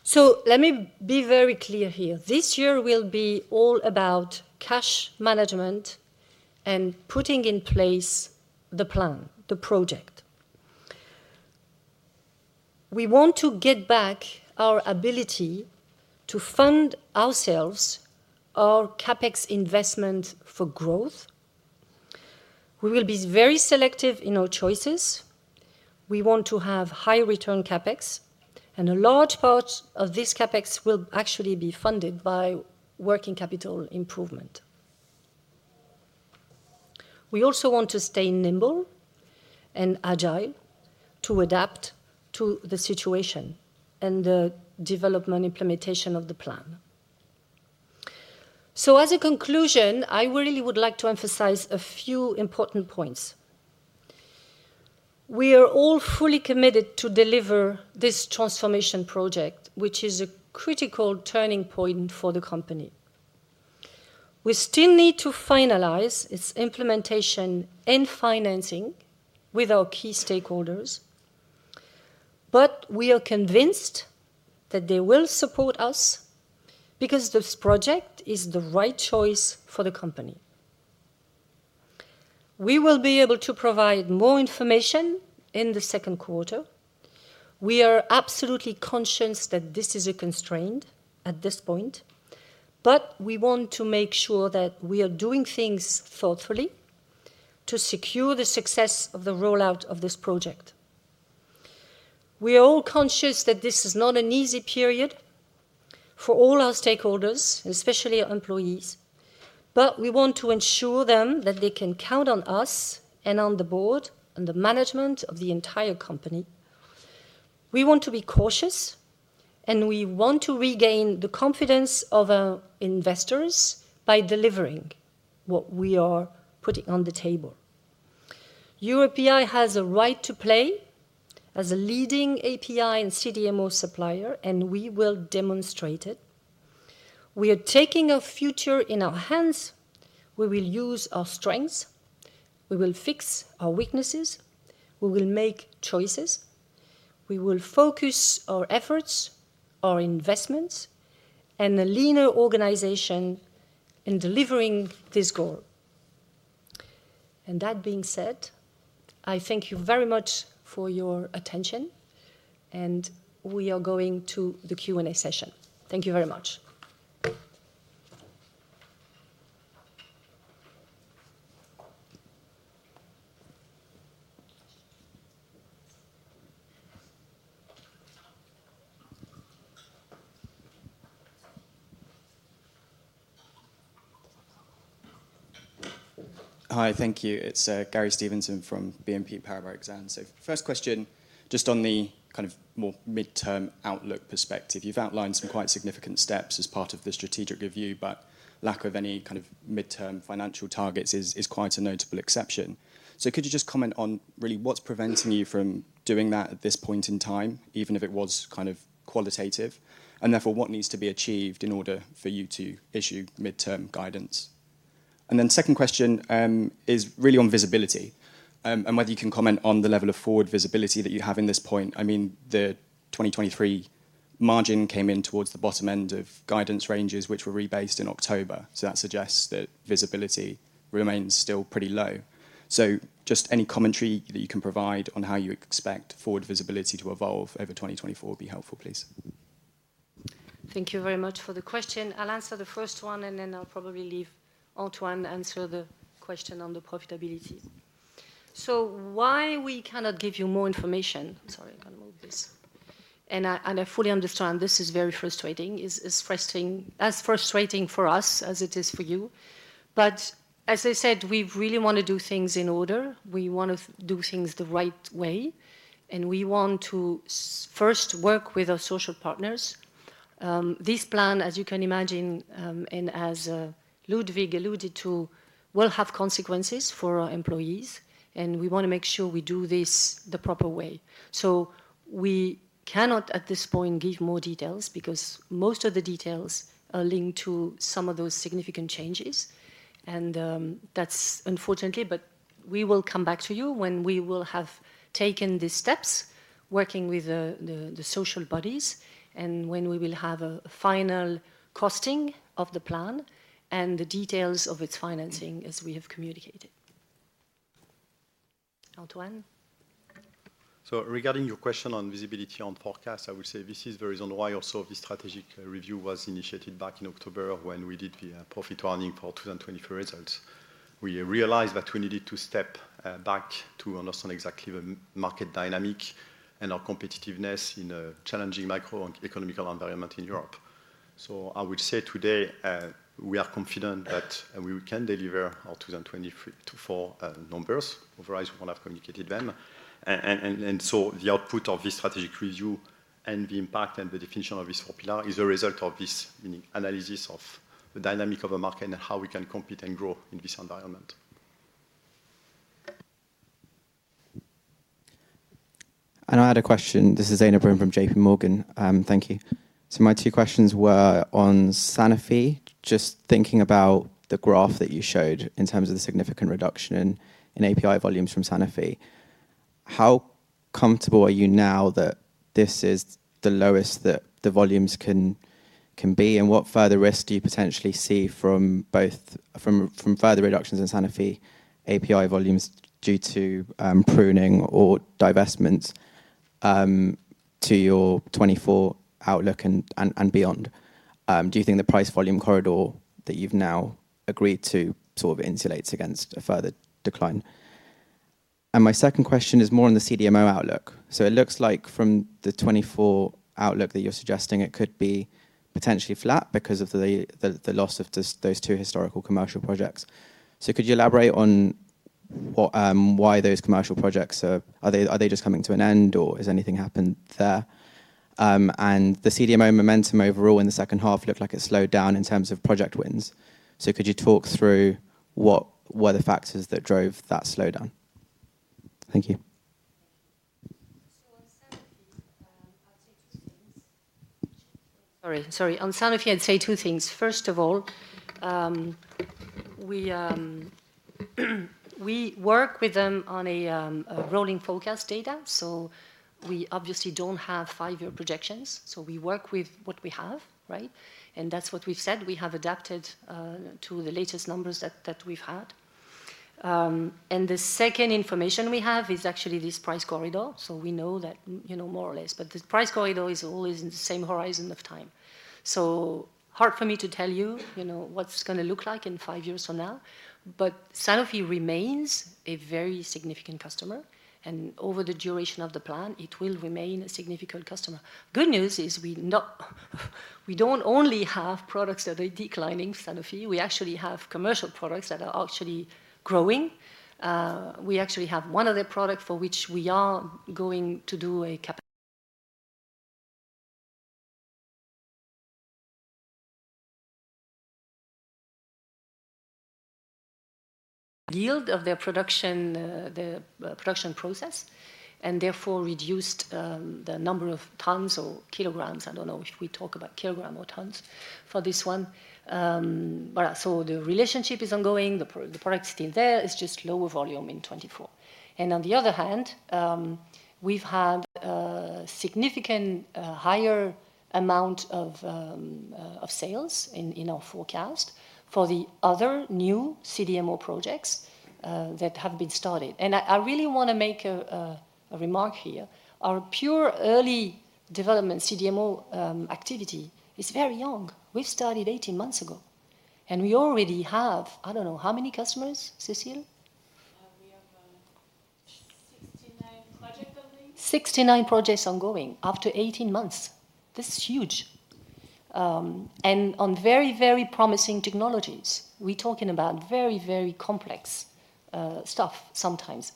So let me be very clear here. This year will be all about cash management and putting in place the plan, the project. We want to get back our ability to fund ourselves our CapEx investment for growth. We will be very selective in our choices. We want to have high-return CapEx, and a large part of this CapEx will actually be funded by working capital improvement. We also want to stay nimble and agile to adapt to the situation and the development implementation of the plan. So as a conclusion, I really would like to emphasize a few important points. We are all fully committed to deliver this transformation project, which is a critical turning point for the company. We still need to finalize its implementation and financing with our key stakeholders, but we are convinced that they will support us because this project is the right choice for the company. We will be able to provide more information in the second quarter. We are absolutely conscious that this is a constraint at this point, but we want to make sure that we are doing things thoughtfully to secure the success of the rollout of this project. We are all conscious that this is not an easy period for all our stakeholders, especially our employees, but we want to ensure them that they can count on us and on the board and the management of the entire company. We want to be cautious, and we want to regain the confidence of our investors by delivering what we are putting on the table. EUROAPI has a right to play as a leading API and CDMO supplier, and we will demonstrate it. We are taking our future in our hands. We will use our strengths. We will fix our weaknesses. We will make choices. We will focus our efforts, our investments, and a leaner organization in delivering this goal. And that being said, I thank you very much for your attention, and we are going to the Q&A session. Thank you very much. Hi. Thank you. It's Gary Stevenson from BNP Paribas Exane. So first question, just on the kind of more midterm outlook perspective, you've outlined some quite significant steps as part of the strategic review, but lack of any kind of midterm financial targets is quite a notable exception. So could you just comment on really what's preventing you from doing that at this point in time, even if it was kind of qualitative, and therefore what needs to be achieved in order for you to issue midterm guidance? And then second question is really on visibility, and whether you can comment on the level of forward visibility that you have at this point. I mean, the 2023 margin came in towards the bottom end of guidance ranges, which were rebased in October. So that suggests that visibility remains still pretty low. Just any commentary that you can provide on how you expect forward visibility to evolve over 2024 would be helpful, please. Thank you very much for the question. I'll answer the first one, and then I'll probably leave Antoine answer the question on the profitability. So why we cannot give you more information, sorry. I'm gonna move this. And I fully understand this is very frustrating. It's as frustrating for us as it is for you. But as I said, we really wanna do things in order. We wanna do things the right way, and we want to first work with our social partners. This plan, as you can imagine, and as Ludwig alluded to, will have consequences for our employees, and we wanna make sure we do this the proper way. So we cannot at this point give more details because most of the details are linked to some of those significant changes. That's unfortunate, but we will come back to you when we will have taken these steps working with the social bodies and when we will have a final costing of the plan and the details of its financing as we have communicated. Antoine? So regarding your question on visibility on forecast, I will say this is the reason why also the strategic review was initiated back in October when we did the profit warning for 2024 results. We realized that we needed to step back to understand exactly the market dynamic and our competitiveness in a challenging macroeconomic environment in Europe. So I would say today, we are confident that we can deliver our 2023-2024 numbers. Otherwise, we won't have communicated them. So the output of this strategic review and the impact and the definition of this four-pillar is a result of this analysis of the dynamic of the market and how we can compete and grow in this environment. I now had a question. This is Zain Ebrahim from JPMorgan. Thank you. So my two questions were on Sanofi, just thinking about the graph that you showed in terms of the significant reduction in API volumes from Sanofi. How comfortable are you now that this is the lowest that the volumes can be, and what further risk do you potentially see from further reductions in Sanofi API volumes due to pruning or divestments to your 2024 outlook and beyond? Do you think the price volume corridor that you've now agreed to sort of insulates against a further decline? And my second question is more on the CDMO outlook. So it looks like from the 2024 outlook that you're suggesting, it could be potentially flat because of the loss of those two historical commercial projects. So could you elaborate on what, why those commercial projects are they just coming to an end, or has anything happened there? And the CDMO momentum overall in the second half looked like it slowed down in terms of project wins. So could you talk through what were the factors that drove that slowdown? Thank you. On Sanofi, I'll say two things. Sorry. On Sanofi, I'd say two things. First of all, we work with them on a rolling forecast data. So we obviously don't have five-year projections. So we work with what we have, right? And that's what we've said. We have adapted to the latest numbers that we've had. And the second information we have is actually this price corridor. So we know that, you know, more or less. But the price corridor is always in the same horizon of time. So hard for me to tell you, you know, what's gonna look like in five years from now, but Sanofi remains a very significant customer, and over the duration of the plan, it will remain a significant customer. Good news is we don't only have products that are declining for Sanofi. We actually have commercial products that are actually growing. We actually have one other product for which we are going to do a cap yield of their production, their production process, and therefore reduced the number of tons or kilograms. I don't know if we talk about kilogram or tons for this one. Voilà. So the relationship is ongoing. The product's still there. It's just lower volume in 2024. And on the other hand, we've had significant higher amount of sales in our forecast for the other new CDMO projects that have been started. And I really wanna make a remark here. Our pure early development CDMO activity is very young. We've started 18 months ago, and we already have I don't know how many customers, Cécile? We have, 69 projects on the. 69 projects ongoing after 18 months. This is huge. On very, very promising technologies. We're talking about very, very complex stuff sometimes.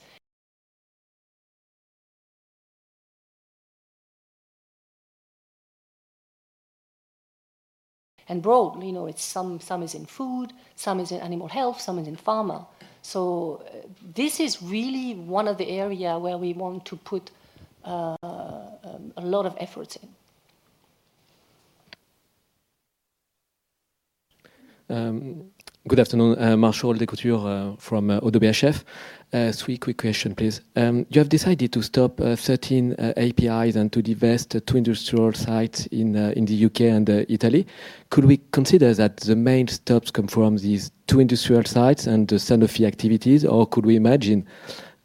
And broad, you know, some is in food, some is in animal health, some is in pharma. So this is really one of the areas where we want to put a lot of efforts in. Good afternoon. Martial Descoutures, from Oddo BHF. Three quick questions, please. You have decided to stop 13 APIs and to divest two industrial sites in the U.K. and Italy. Could we consider that the main stops come from these two industrial sites and the Sanofi activities, or could we imagine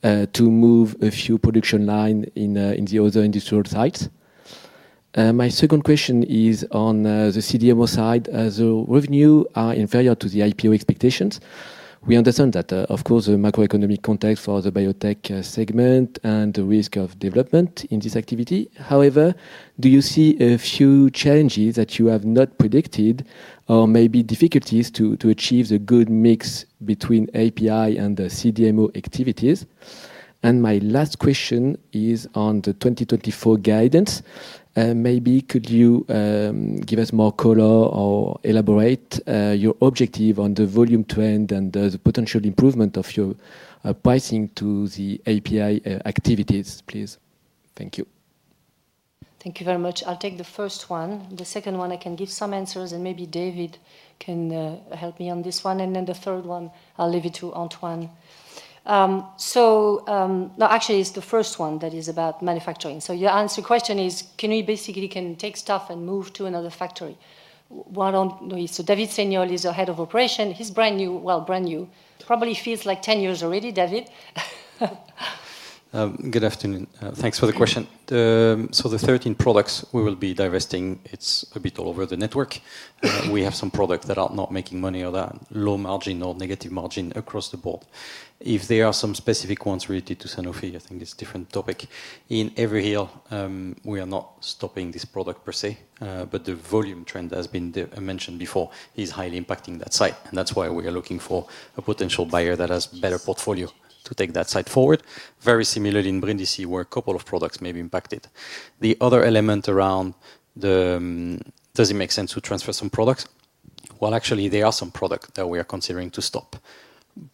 to move a few production lines in the other industrial sites? My second question is on the CDMO side. The revenues are inferior to the IPO expectations. We understand that, of course, the macroeconomic context for the biotech segment and the risk of development in this activity. However, do you see a few challenges that you have not predicted or maybe difficulties to achieve the good mix between API and the CDMO activities? And my last question is on the 2024 guidance. Maybe could you give us more color or elaborate your objective on the volume trend and the potential improvement of your pricing to the API activities, please? Thank you. Thank you very much. I'll take the first one. The second one, I can give some answers, and maybe David can help me on this one. And then the third one, I'll leave it to Antoine. So, no, actually, it's the first one that is about manufacturing. So your answer to the question is, can we basically can take stuff and move to another factory? Why don't we? So David Seignolle is our head of operations. He's brand new, well, brand new. Probably feels like 10 years already, David. Good afternoon. Thanks for the question. So the 13 products we will be divesting, it's a bit all over the network. We have some products that are not making money or that low margin or negative margin across the board. If there are some specific ones related to Sanofi, I think it's a different topic. In Haverhill, we are not stopping this product per se, but the volume trend has been mentioned before is highly impacting that site, and that's why we are looking for a potential buyer that has better portfolio to take that site forward. Very similar in Brindisi where a couple of products may be impacted. The other element around the, does it make sense to transfer some products? Well, actually, there are some products that we are considering to stop,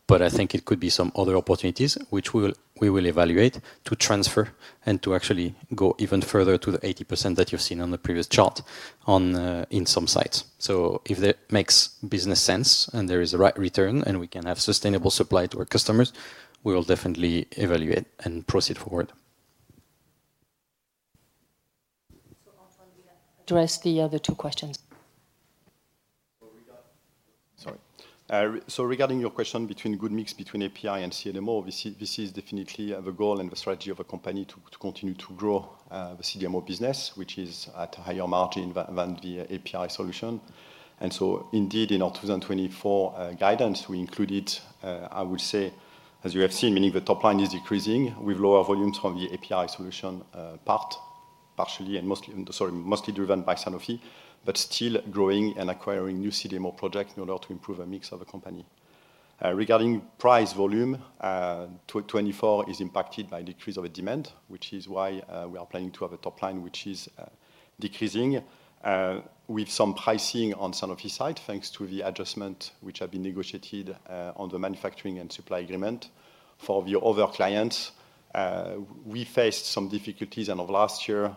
but I think it could be some other opportunities which we will evaluate to transfer and to actually go even further to the 80% that you've seen on the previous chart on in some sites. So if that makes business sense and there is the right return and we can have sustainable supply to our customers, we will definitely evaluate and proceed forward. So Antoine, will you address the other two questions? Sorry. So regarding your question between good mix between API and CDMO, this is definitely the goal and the strategy of a company to continue to grow the CDMO business, which is at a higher margin than the API solution. And so indeed, in our 2024 guidance, we included, I would say, as you have seen, meaning the top line is decreasing with lower volumes from the API solution, mostly driven by Sanofi, but still growing and acquiring new CDMO projects in order to improve a mix of a company. Regarding price volume, 2024 is impacted by a decrease of the demand, which is why we are planning to have a top line which is decreasing, with some pricing on Sanofi side thanks to the adjustment which have been negotiated on the manufacturing and supply agreement. For the other clients, we faced some difficulties end of last year,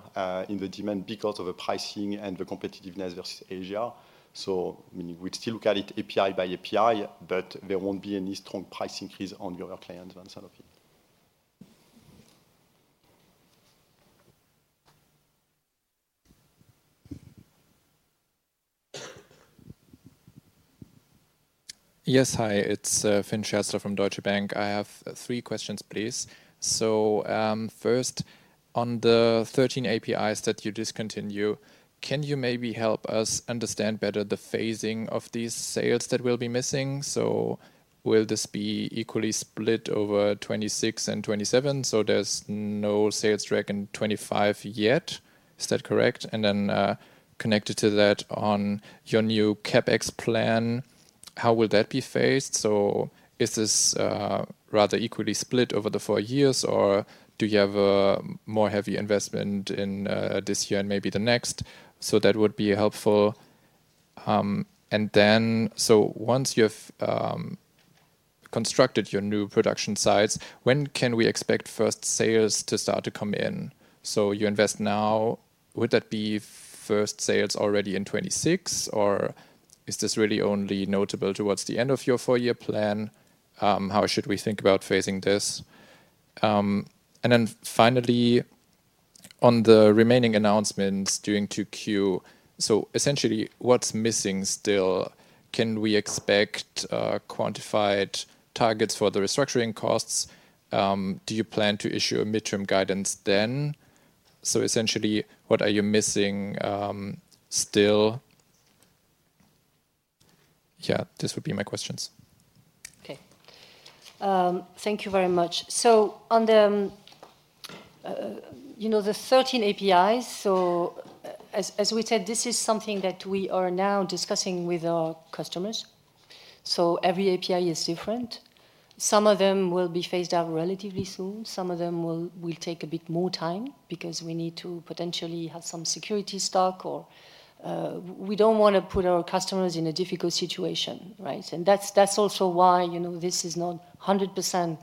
in the demand because of the pricing and the competitiveness versus Asia. So meaning we'd still look at it API by API, but there won't be any strong price increase on the other clients than Sanofi. Yes, hi. It's Fynn Scherzler from Deutsche Bank. I have three questions, please. So, first, on the 13 APIs that you discontinue, can you maybe help us understand better the phasing of these sales that will be missing? So will this be equally split over 2026 and 2027 so there's no sales drag in 2025 yet? Is that correct? And then, connected to that, on your new CapEx plan, how will that be phased? So is this rather equally split over the four years, or do you have a more heavy investment in this year and maybe the next? So that would be helpful. And then so once you have constructed your new production sites, when can we expect first sales to start to come in? So you invest now. Would that be first sales already in 2026, or is this really only notable towards the end of your four-year plan? How should we think about phasing this? And then finally, on the remaining announcements during 2Q, so essentially, what's missing still? Can we expect quantified targets for the restructuring costs? Do you plan to issue a midterm guidance then? So essentially, what are you missing, still? Yeah, this would be my questions. Okay. Thank you very much. So on the, you know, the 13 APIs, so as we said, this is something that we are now discussing with our customers. So every API is different. Some of them will be phased out relatively soon. Some of them will take a bit more time because we need to potentially have some security stock, or we don't wanna put our customers in a difficult situation, right? And that's also why, you know, this is not 100%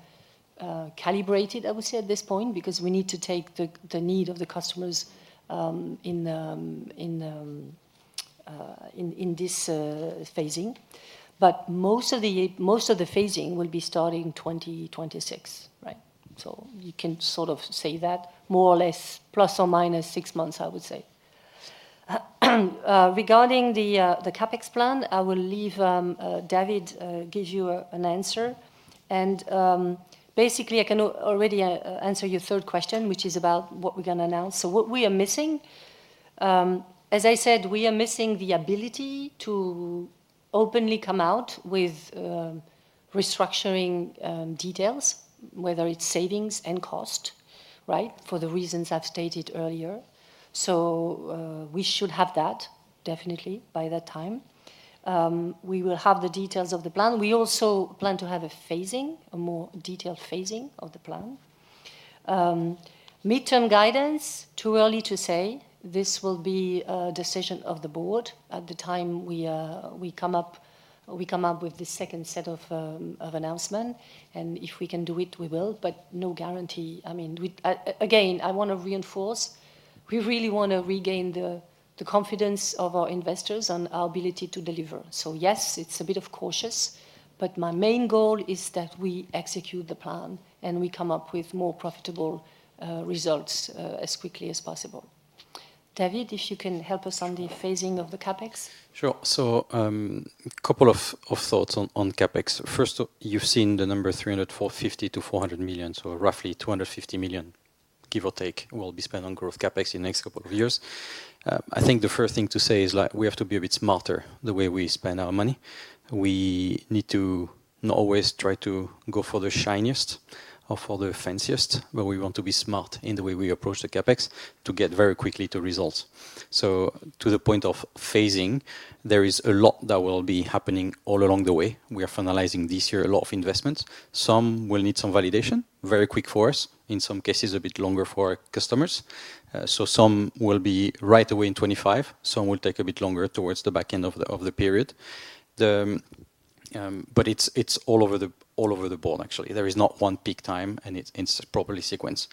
calibrated, I would say, at this point because we need to take the need of the customers in this phasing. But most of the phasing will be starting 2026, right? So you can sort of say that more or less plus or minus six months, I would say. Regarding the CapEx plan, I will leave it to David to give you an answer. Basically, I can already answer your third question, which is about what we're gonna announce. So what we are missing, as I said, is the ability to openly come out with restructuring details, whether it's savings and cost, right, for the reasons I've stated earlier. So, we should have that definitely by that time. We will have the details of the plan. We also plan to have a more detailed phasing of the plan. Midterm guidance, too early to say. This will be a decision of the board at the time we come up with the second set of announcements. If we can do it, we will, but no guarantee. I mean, we again, I wanna reinforce, we really wanna regain the confidence of our investors on our ability to deliver. So yes, it's a bit cautious, but my main goal is that we execute the plan and we come up with more profitable results, as quickly as possible. David, if you can help us on the phasing of the CapEx. Sure. So, a couple of thoughts on CapEx. First, you've seen the number 350 million-400 million, so roughly 250 million, give or take, will be spent on growth CapEx in the next couple of years. I think the first thing to say is, like, we have to be a bit smarter the way we spend our money. We need to not always try to go for the shiniest or for the fanciest, but we want to be smart in the way we approach the CapEx to get very quickly to results. So to the point of phasing, there is a lot that will be happening all along the way. We are finalizing this year a lot of investments. Some will need some validation, very quick for us, in some cases a bit longer for our customers. So some will be right away in 2025. Some will take a bit longer towards the back end of the period. But it's all over the board, actually. There is not one peak time, and it's in proper sequence.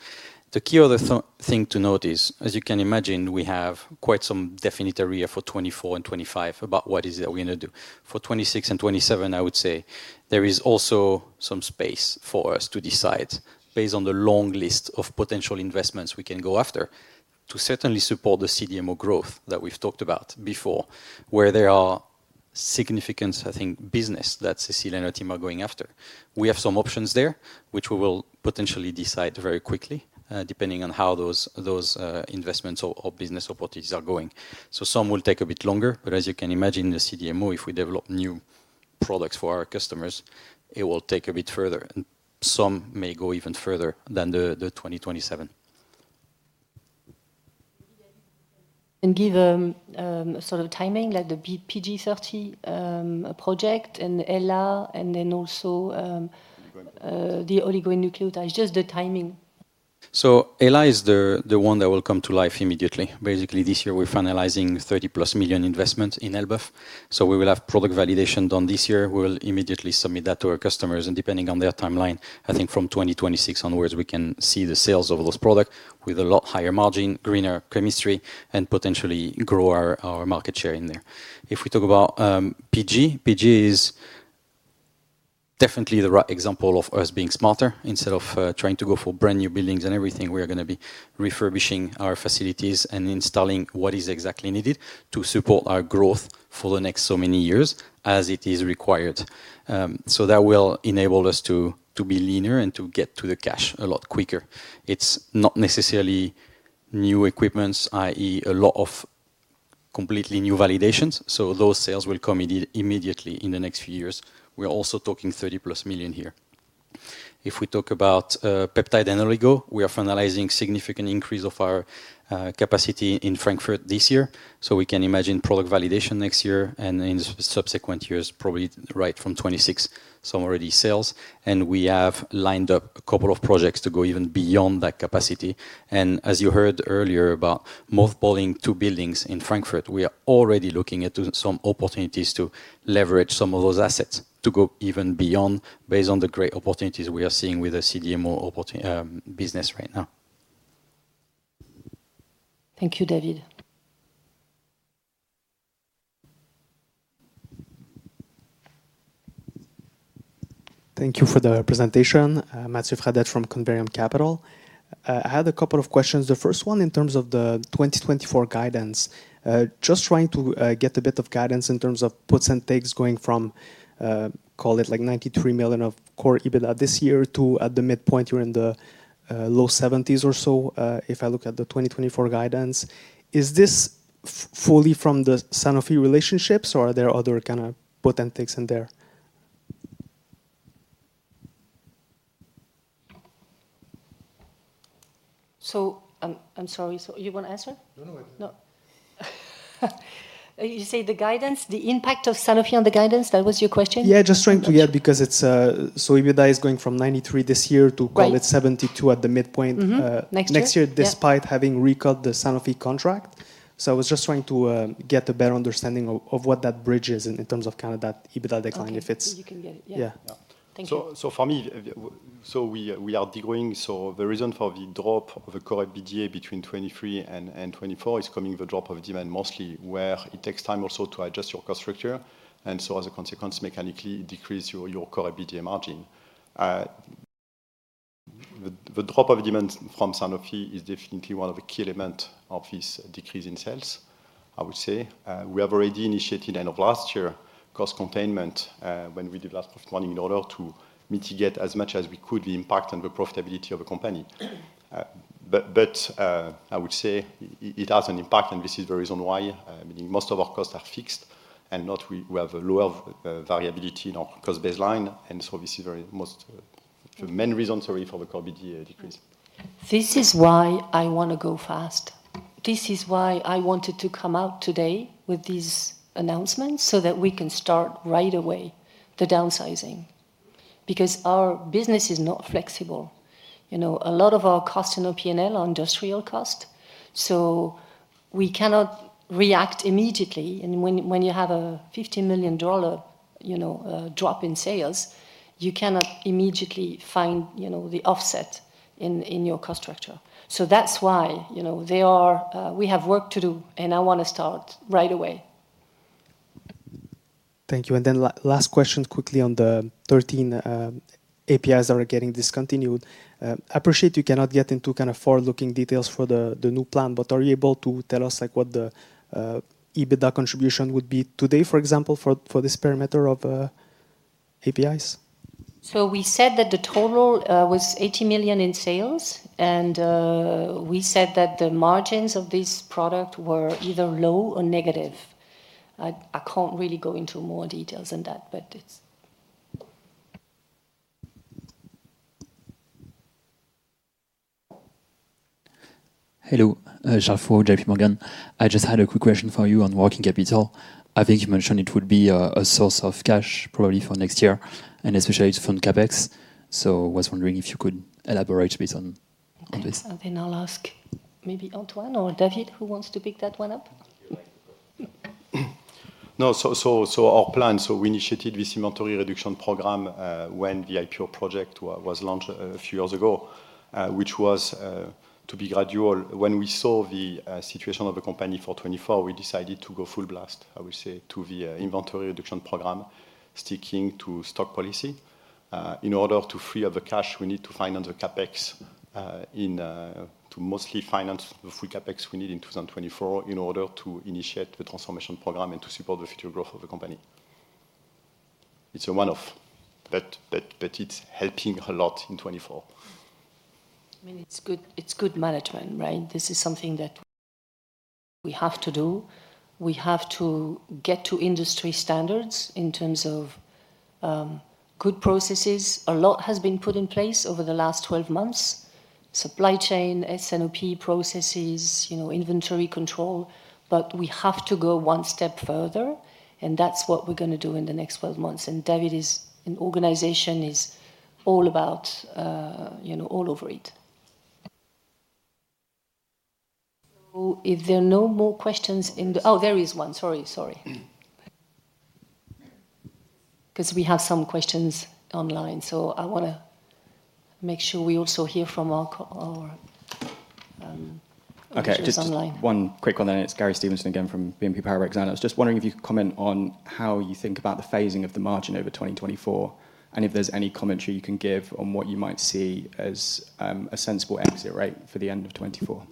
The key other thing to note is, as you can imagine, we have quite some definite area for 2024 and 2025 about what is it that we're gonna do. For 2026 and 2027, I would say, there is also some space for us to decide based on the long list of potential investments we can go after to certainly support the CDMO growth that we've talked about before where there are significant, I think, business that Cécile and her team are going after. We have some options there which we will potentially decide very quickly, depending on how those investments or business opportunities are going. So some will take a bit longer. But as you can imagine, the CDMO, if we develop new products for our customers, it will take a bit further. And some may go even further than the 2027. Give, sort of, timing, like the PG30 project and ELA and then also the oligonucleotides. Just the timing. So ELA is the, the one that will come to life immediately. Basically, this year, we're finalizing 30+ million investments in Elbeuf. So we will have product validation done this year. We will immediately submit that to our customers. And depending on their timeline, I think from 2026 onwards, we can see the sales of those products with a lot higher margin, greener chemistry, and potentially grow our, our market share in there. If we talk about, PG, PG is definitely the right example of us being smarter. Instead of, trying to go for brand new buildings and everything, we are gonna be refurbishing our facilities and installing what is exactly needed to support our growth for the next so many years as it is required. So that will enable us to, to be leaner and to get to the cash a lot quicker. It's not necessarily new equipment, i.e., a lot of completely new validations. So those sales will come immediately in the next few years. We are also talking 30+ million here. If we talk about peptides and oligo, we are finalizing significant increase of our capacity in Frankfurt this year. So we can imagine product validation next year and in subsequent years, probably right from 2026, some already sales. And we have lined up a couple of projects to go even beyond that capacity. And as you heard earlier about mothballing two buildings in Frankfurt, we are already looking at some opportunities to leverage some of those assets to go even beyond based on the great opportunities we are seeing with the CDMO opportunity business right now. Thank you, David. Thank you for the presentation. Matthieu Fradette from Converium Capital. I had a couple of questions. The first one, in terms of the 2024 guidance, just trying to get a bit of guidance in terms of puts and takes going from, call it, like, 93 million of core EBITDA this year to at the midpoint, you're in the low EUR 70s or so, if I look at the 2024 guidance. Is this fully from the Sanofi relationships, or are there other kinda puts and takes in there? So I'm sorry. So you wanna answer? No, no, I don't. No. You say the guidance, the impact of Sanofi on the guidance? That was your question? Yeah, just trying to get because it's, so EBITDA is going from 93 this year to, call it, 72 at the midpoint. Next year? Next year, despite having recut the Sanofi contract. So I was just trying to get a better understanding of what that bridge is in terms of kinda that EBITDA decline, if it's. You can get it. Yeah. Yeah. Thank you. So, for me, we are degrowing. So the reason for the drop of the core EBITDA between 2023 and 2024 is coming the drop of demand mostly where it takes time also to adjust your cost structure. And so, as a consequence, mechanically, it decreases your core EBITDA margin. The drop of demand from Sanofi is definitely one of the key elements of this decrease in sales, I would say. We have already initiated end of last year cost containment, when we did last profit warning in order to mitigate as much as we could the impact on the profitability of a company. But I would say it has an impact, and this is the reason why, meaning most of our costs are fixed and not, we have a lower variability in our cost baseline. This is very most the main reason, sorry, for the core EBITDA decrease. This is why I wanna go fast. This is why I wanted to come out today with these announcements so that we can start right away the downsizing because our business is not flexible. You know, a lot of our costs in our P&L are industrial costs. So we cannot react immediately. And when you have a $15 million, you know, drop in sales, you cannot immediately find, you know, the offset in your cost structure. So that's why, you know, we have work to do, and I wanna start right away. Thank you. And then last question quickly on the 13 APIs that are getting discontinued. I appreciate you cannot get into kinda forward-looking details for the new plan, but are you able to tell us, like, what the EBITDA contribution would be today, for example, for this parameter of APIs? So we said that the total was 80 million in sales. And we said that the margins of this product were either low or negative. I, I can't really go into more details than that, but it's. Hello. Charles Fourault, JPMorgan. I just had a quick question for you on working capital. I think you mentioned it would be a source of cash, probably, for next year, and especially to fund CapEx. So I was wondering if you could elaborate a bit on this. Okay. And then I'll ask maybe Antoine or David who wants to pick that one up. No, so our plan, we initiated this inventory reduction program when the IPO project was launched a few years ago, which was to be gradual. When we saw the situation of the company for 2024, we decided to go full blast, I would say, to the inventory reduction program, sticking to stock policy in order to free up the cash we need to finance the CapEx, to mostly finance the full CapEx we need in 2024 in order to initiate the transformation program and to support the future growth of the company. It's a one-off, but it's helping a lot in 2024. I mean, it's good management, right? This is something that we have to do. We have to get to industry standards in terms of good processes. A lot has been put in place over the last 12 months: supply chain, S&OP processes, you know, inventory control. But we have to go one step further, and that's what we're gonna do in the next 12 months. And David and his organization is all about, you know, all over it. So if there are no more questions in the—oh, there is one. Sorry. 'Cause we have some questions online. So I wanna make sure we also hear from our colleagues online. Okay. Just one quick one, and it's Gary Steventon again from BNP Paribas Exane. I was just wondering if you could comment on how you think about the phasing of the margin over 2024 and if there's any commentary you can give on what you might see as, a sensible exit, right, for the end of 2024.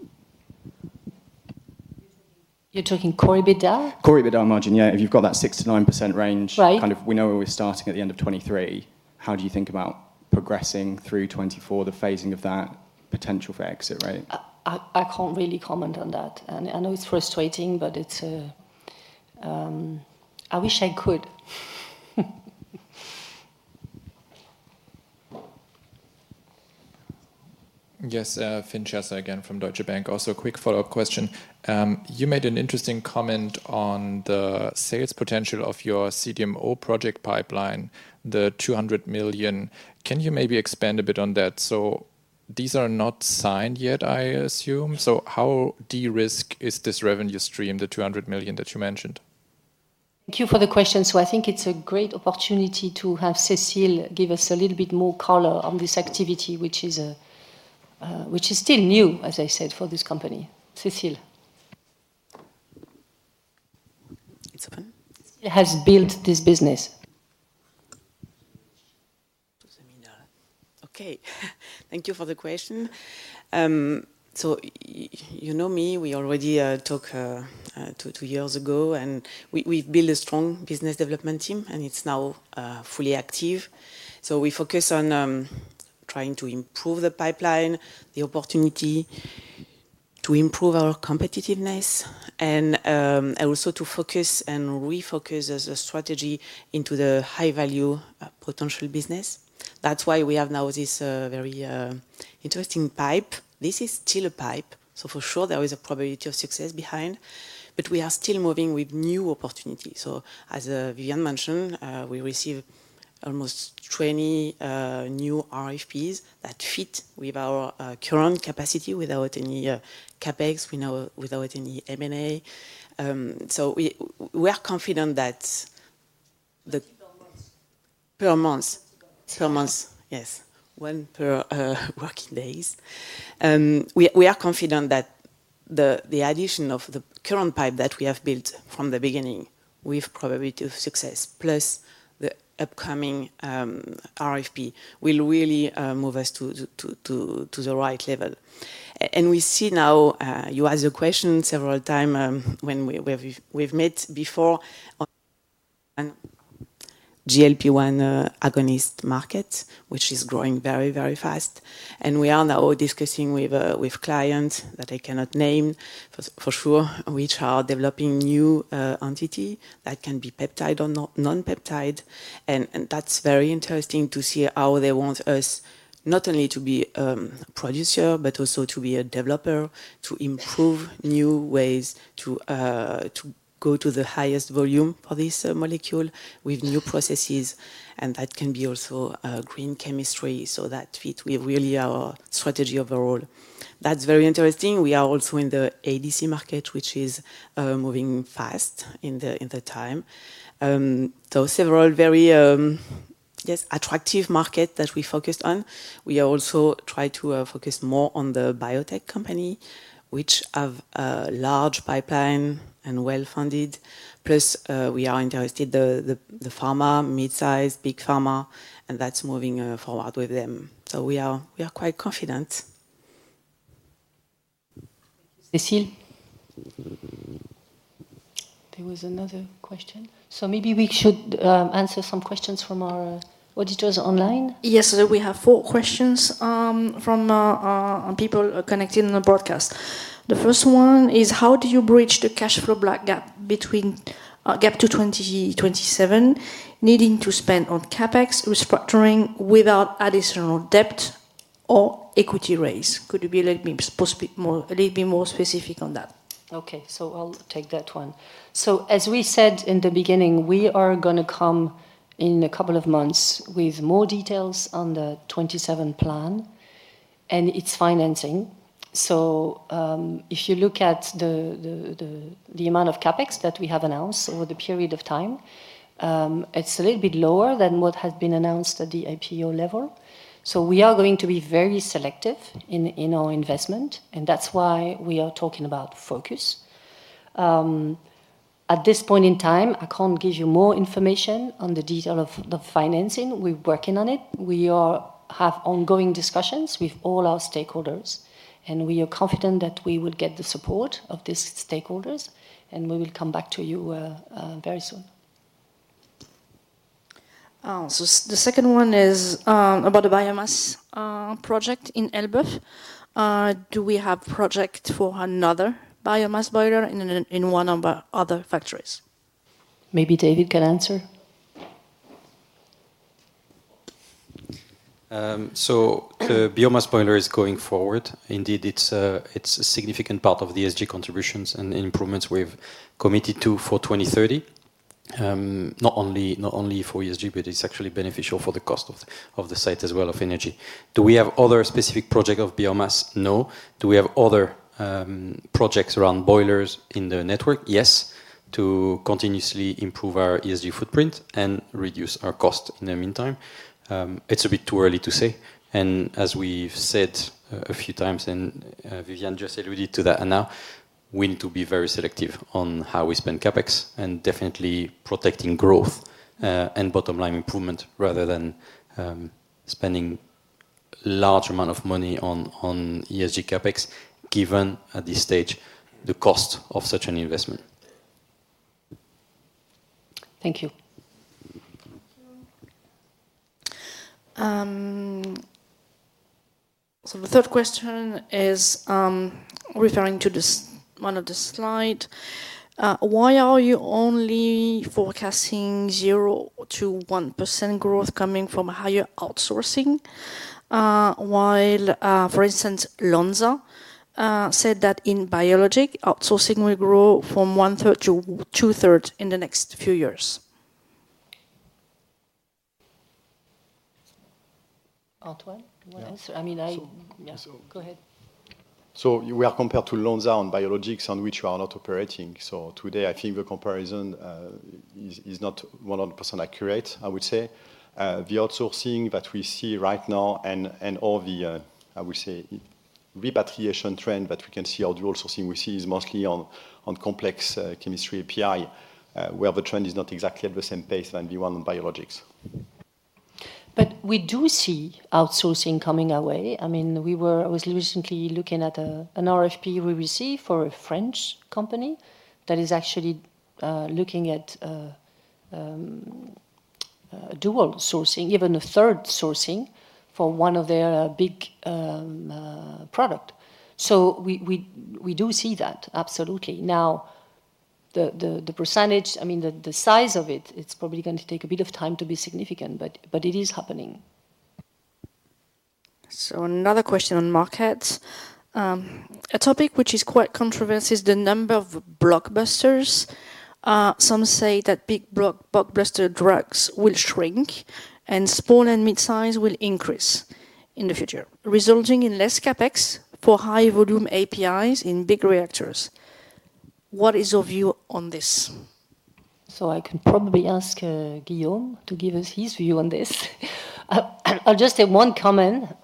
You're talking core EBITDA? Core EBITDA margin, yeah. If you've got that 6%-9% range. Right. Kind of we know where we're starting at the end of 2023. How do you think about progressing through 2024, the phasing of that potential for exit, right? I can't really comment on that. I know it's frustrating, but I wish I could. Yes. Fynn Scherzler again from Deutsche Bank. Also a quick follow-up question. You made an interesting comment on the sales potential of your CDMO project pipeline, the 200 million. Can you maybe expand a bit on that? So these are not signed yet, I assume. So how de-risk is this revenue stream, the 200 million that you mentioned? Thank you for the question. So I think it's a great opportunity to have Cécile give us a little bit more color on this activity, which is, which is still new, as I said, for this company. Cécile. It's open. Cécile has built this business. Okay. Thank you for the question. So you know me. We already talked two years ago, and we've built a strong business development team, and it's now fully active. So we focus on trying to improve the pipeline, the opportunity to improve our competitiveness, and also to focus and refocus as a strategy into the high-value potential business. That's why we have now this very interesting pipeline. This is still a pipeline. So for sure, there is a probability of success behind. But we are still moving with new opportunities. So as Viviane mentioned, we receive almost 20 new RFPs that fit with our current capacity without any CapEx. We know without any M&A. So we are confident that the. Per month. Per month. Per month. Yes. One per working days. We are confident that the addition of the current pipe that we have built from the beginning with probability of success plus the upcoming RFP will really move us to the right level. And we see now, you asked the question several times, when we've met before on GLP-1 agonist market, which is growing very, very fast. And we are now discussing with clients that I cannot name for sure, which are developing new entities that can be peptide or non-peptide. And that's very interesting to see how they want us not only to be producer but also to be a developer, to improve new ways to go to the highest volume for this molecule with new processes. That can be also green chemistry, so that fits with really our strategy overall. That's very interesting. We are also in the ADC market, which is moving fast in the time. So several very, yes, attractive markets that we focused on. We are also try to focus more on the biotech company, which have large pipeline and well-funded. Plus, we are interested the pharma, midsize, big pharma, and that's moving forward with them. So we are quite confident. Thank you. Cécile. There was another question. So maybe we should answer some questions from our auditors online. Yes. So we have four questions from people connected in the broadcast. The first one is, how do you bridge the cash flow gap to 2027, needing to spend on CapEx, restructuring without additional debt or equity raise? Could you be a little bit more specific on that? Okay. So I'll take that one. So as we said in the beginning, we are gonna come in a couple of months with more details on the 2027 plan and its financing. So, if you look at the amount of CapEx that we have announced over the period of time, it's a little bit lower than what has been announced at the IPO level. So we are going to be very selective in our investment, and that's why we are talking about focus. At this point in time, I can't give you more information on the detail of financing. We're working on it. We have ongoing discussions with all our stakeholders, and we are confident that we will get the support of these stakeholders, and we will come back to you very soon. Oh. So the second one is about the biomass project in Elbeuf. Do we have project for another biomass boiler in one of our other factories? Maybe David can answer. So the biomass boiler is going forward. Indeed, it's a significant part of the ESG contributions and improvements we've committed to for 2030, not only for ESG, but it's actually beneficial for the cost of the site as well, of energy. Do we have other specific project of biomass? No. Do we have other projects around boilers in the network? Yes, to continuously improve our ESG footprint and reduce our cost in the meantime. It's a bit too early to say. As we've said a few times, and Viviane just alluded to that, now we need to be very selective on how we spend CapEx and definitely protecting growth and bottom-line improvement rather than spending large amount of money on ESG CapEx given at this stage the cost of such an investment. Thank you. Thank you. The third question is, referring to this one of the slides, why are you only forecasting 0%-1% growth coming from higher outsourcing, while, for instance, Lonza said that in biologics, outsourcing will grow from 1/3 to 2/3 in the next few years? Antoine? One answer? I mean, I yeah. Go ahead. So you are compared to Lonza on biologics on which you are not operating. So today, I think the comparison is not 100% accurate, I would say. The outsourcing that we see right now and all the, I would say, repatriation trend that we can see or dual sourcing we see is mostly on complex chemistry API, where the trend is not exactly at the same pace than the one on biologics. But we do see outsourcing coming our way. I mean, I was recently looking at an RFP we received for a French company that is actually looking at dual sourcing, even a third sourcing for one of their big products. So we do see that, absolutely. Now, the size of it, it's probably gonna take a bit of time to be significant, but it is happening. So another question on markets. A topic which is quite controversial is the number of blockbusters. Some say that big blockbuster drugs will shrink, and small and midsize will increase in the future, resulting in less CapEx for high-volume APIs in big reactors. What is your view on this? So I can probably ask Guillaume to give us his view on this. I'll just say one comment.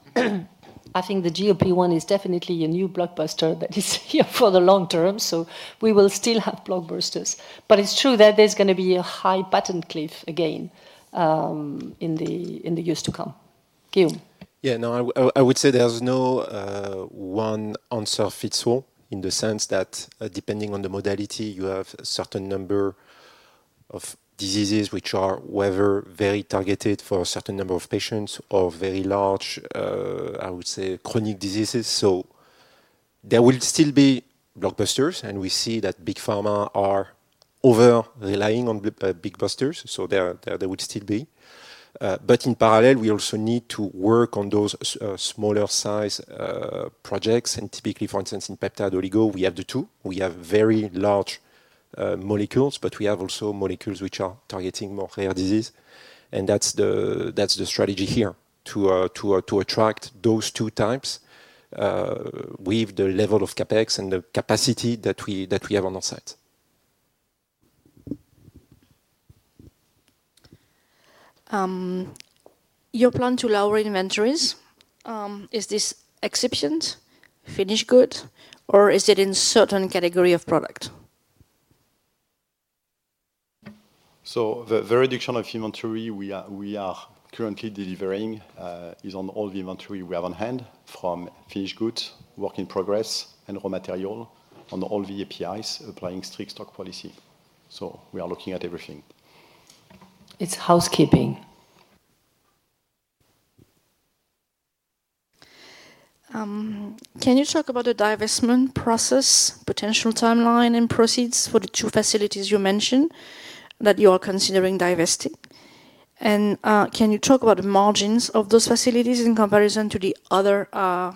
I think the GLP-1 is definitely a new blockbuster that is here for the long term, so we will still have blockbusters. But it's true that there's gonna be a high patent cliff again, in the years to come. Guillaume? Yeah. No, I would say there's no one answer fits all in the sense that, depending on the modality, you have a certain number of diseases which are whether very targeted for a certain number of patients or very large, I would say, chronic diseases. So there will still be blockbusters, and we see that big pharma are over-relying on big blockbusters. So there will still be. But in parallel, we also need to work on those smaller-sized projects. And typically, for instance, in peptide oligo, we have the two. We have very large molecules, but we have also molecules which are targeting more rare disease. And that's the strategy here, to attract those two types, with the level of CapEx and the capacity that we have on our site. Your plan to lower inventories, is this including finished goods, or is it in certain category of product? So the reduction of inventory we are currently delivering is on all the inventory we have on hand from finished goods, work in progress, and raw material on all the APIs, applying strict stock policy. So we are looking at everything. It's housekeeping. Can you talk about the divestment process, potential timeline, and proceeds for the two facilities you mentioned that you are considering divesting? Can you talk about the margins of those facilities in comparison to the other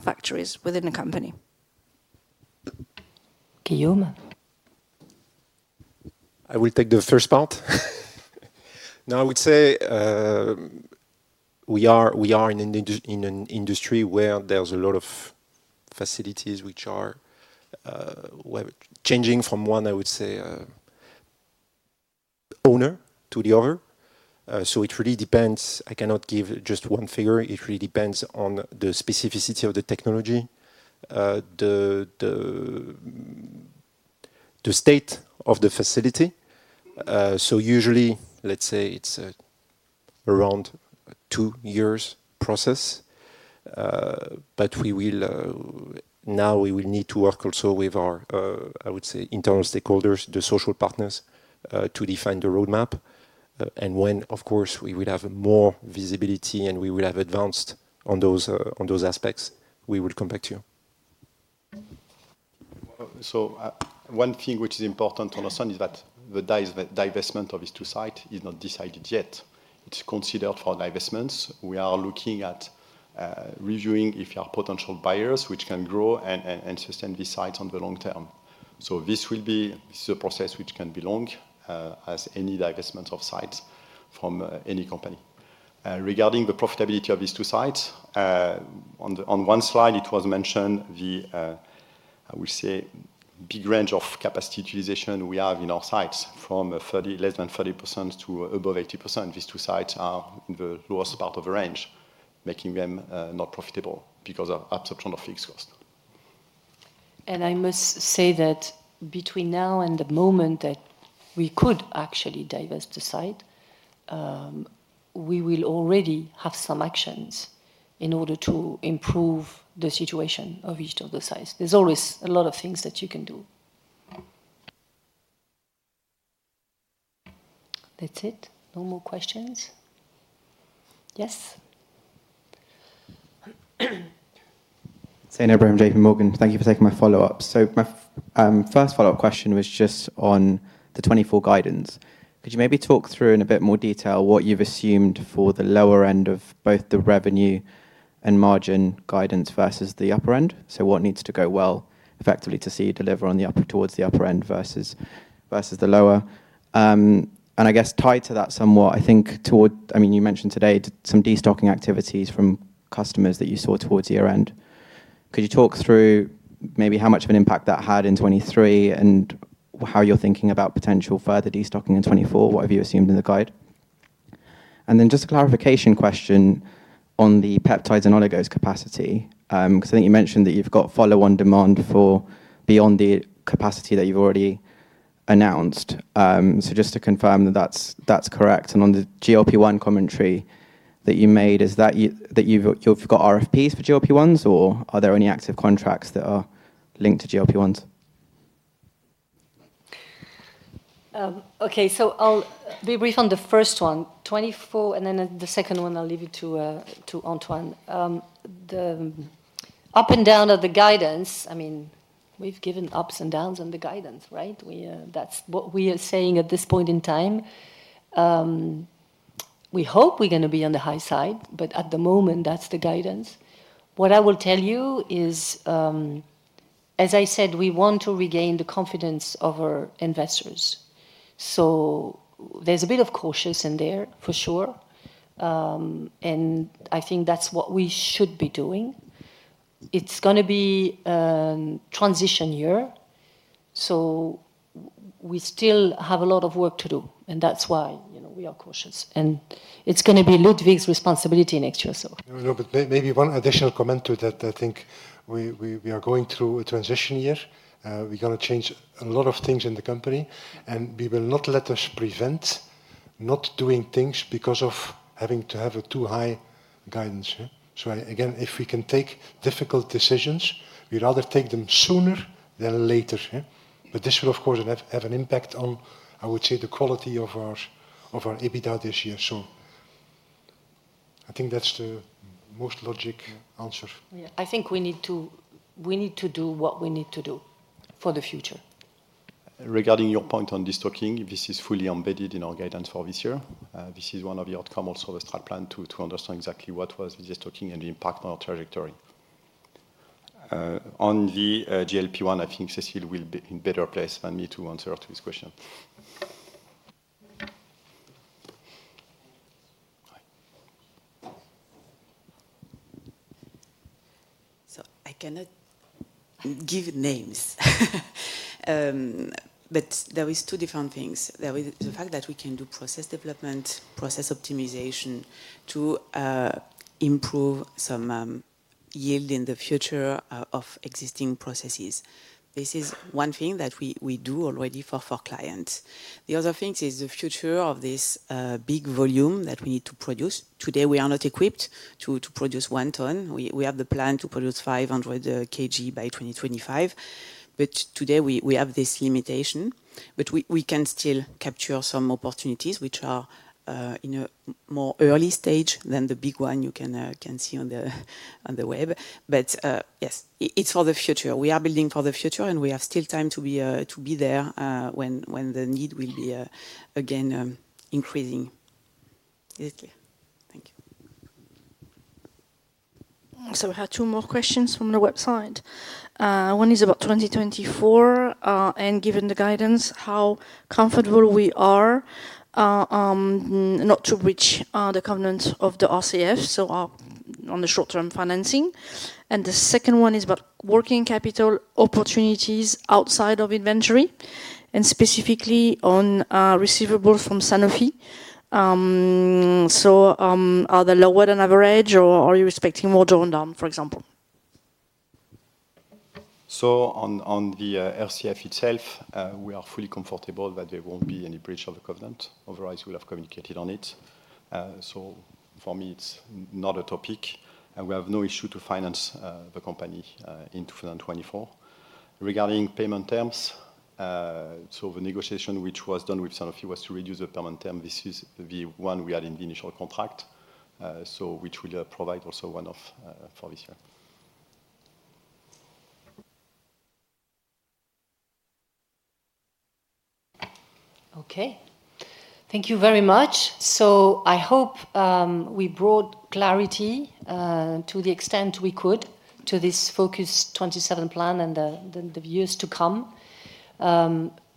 factories within the company? Guillaume? I will take the first part. No, I would say, we are in an industry where there's a lot of facilities which are, we're changing from one, I would say, owner to the other. So it really depends. I cannot give just one figure. It really depends on the specificity of the technology, the state of the facility. So usually, let's say, it's around a two-year process. But we will now need to work also with our, I would say, internal stakeholders, the social partners, to define the roadmap. And when, of course, we will have more visibility and we will have advanced on those aspects, we will come back to you. Well, so, one thing which is important to understand is that the divestment of these two sites is not decided yet. It's considered for divestments. We are looking at, reviewing if there are potential buyers which can grow and sustain these sites on the long term. So this will be; this is a process which can be long, as any divestment of sites from any company. Regarding the profitability of these two sites, on one slide, it was mentioned the, I would say, big range of capacity utilization we have in our sites from less than 30% to above 80%. These two sites are in the lowest part of the range, making them not profitable because of absorption of fixed cost. I must say that between now and the moment that we could actually divest the site, we will already have some actions in order to improve the situation of each of the sites. There's always a lot of things that you can do. That's it. No more questions. Yes? Zain Ebrahim, JPMorgan. Thank you for taking my follow-up. So my first follow-up question was just on the 2024 guidance. Could you maybe talk through in a bit more detail what you've assumed for the lower end of both the revenue and margin guidance versus the upper end? So what needs to go well effectively to see you deliver on the upper towards the upper end versus the lower? And I guess tied to that somewhat, I think, towards, I mean, you mentioned today some destocking activities from customers that you saw towards year-end. Could you talk through maybe how much of an impact that had in 2023 and how you're thinking about potential further destocking in 2024? What have you assumed in the guide? Then just a clarification question on the peptides and oligos capacity, because I think you mentioned that you've got follow-on demand for beyond the capacity that you've already announced. So just to confirm that that's correct. And on the GLP-1 commentary that you made, is that you've got RFPs for GLP-1s, or are there any active contracts that are linked to GLP-1s? Okay. So I'll be brief on the first one, 2024, and then the second one, I'll leave it to Antoine. The up and down of the guidance—I mean, we've given ups and downs on the guidance, right? That's what we are saying at this point in time. We hope we're gonna be on the high side, but at the moment, that's the guidance. What I will tell you is, as I said, we want to regain the confidence of our investors. So there's a bit of cautious in there, for sure. And I think that's what we should be doing. It's gonna be a transition year, so we still have a lot of work to do, and that's why, you know, we are cautious. And it's gonna be Ludwig's responsibility next year, so. No, no. But maybe one additional comment to that. I think we are going through a transition year. We're gonna change a lot of things in the company, and we will not let us prevent not doing things because of having to have a too high guidance, yeah? So I again, if we can take difficult decisions, we'd rather take them sooner than later, yeah? But this will, of course, have an impact on, I would say, the quality of our EBITDA this year. So I think that's the most logical answer. Yeah. I think we need to do what we need to do for the future. Regarding your point on destocking, this is fully embedded in our guidance for this year. This is one of your comments of the strat plan to understand exactly what was the destocking and the impact on our trajectory. On the GLP-1, I think Cécile will be in better place than me to answer to this question. Hi. So I cannot give names. But there is two different things. There is the fact that we can do process development, process optimization to, improve some, yield in the future, of existing processes. This is one thing that we, we do already for, for clients. The other thing is the future of this, big volume that we need to produce. Today, we are not equipped to, to produce one ton. We, we have the plan to produce 500 kg by 2025. But today, we, we have this limitation. But we, we can still capture some opportunities which are, in a more early stage than the big one you can, can see on the on the web. But, yes, it's for the future. We are building for the future, and we have still time to be, to be there, when, when the need will be, again, increasing. Is it clear? Thank you. So we have two more questions from the website. One is about 2024, and given the guidance, how comfortable we are not to breach the covenants of the RCF, so our on the short-term financing. The second one is about working capital opportunities outside of inventory and specifically on receivables from Sanofi. So, are they lower than average, or are you expecting more drawn down, for example? So, on the RCF itself, we are fully comfortable that there won't be any breach of the covenant. Otherwise, we'll have communicated on it. For me, it's not a topic. We have no issue to finance the company in 2024. Regarding payment terms, the negotiation which was done with Sanofi was to reduce the payment term. This is the one we had in the initial contract, so which will provide also one-off for this year. Okay. Thank you very much. So I hope we brought clarity, to the extent we could, to this FOCUS-27 plan and the years to come.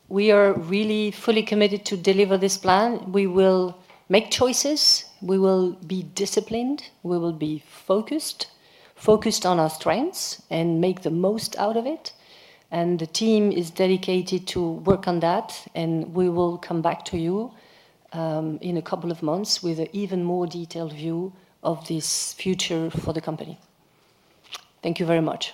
We are really fully committed to deliver this plan. We will make choices. We will be disciplined. We will be focused, focused on our strengths and make the most out of it. And the team is dedicated to work on that, and we will come back to you, in a couple of months with an even more detailed view of this future for the company. Thank you very much.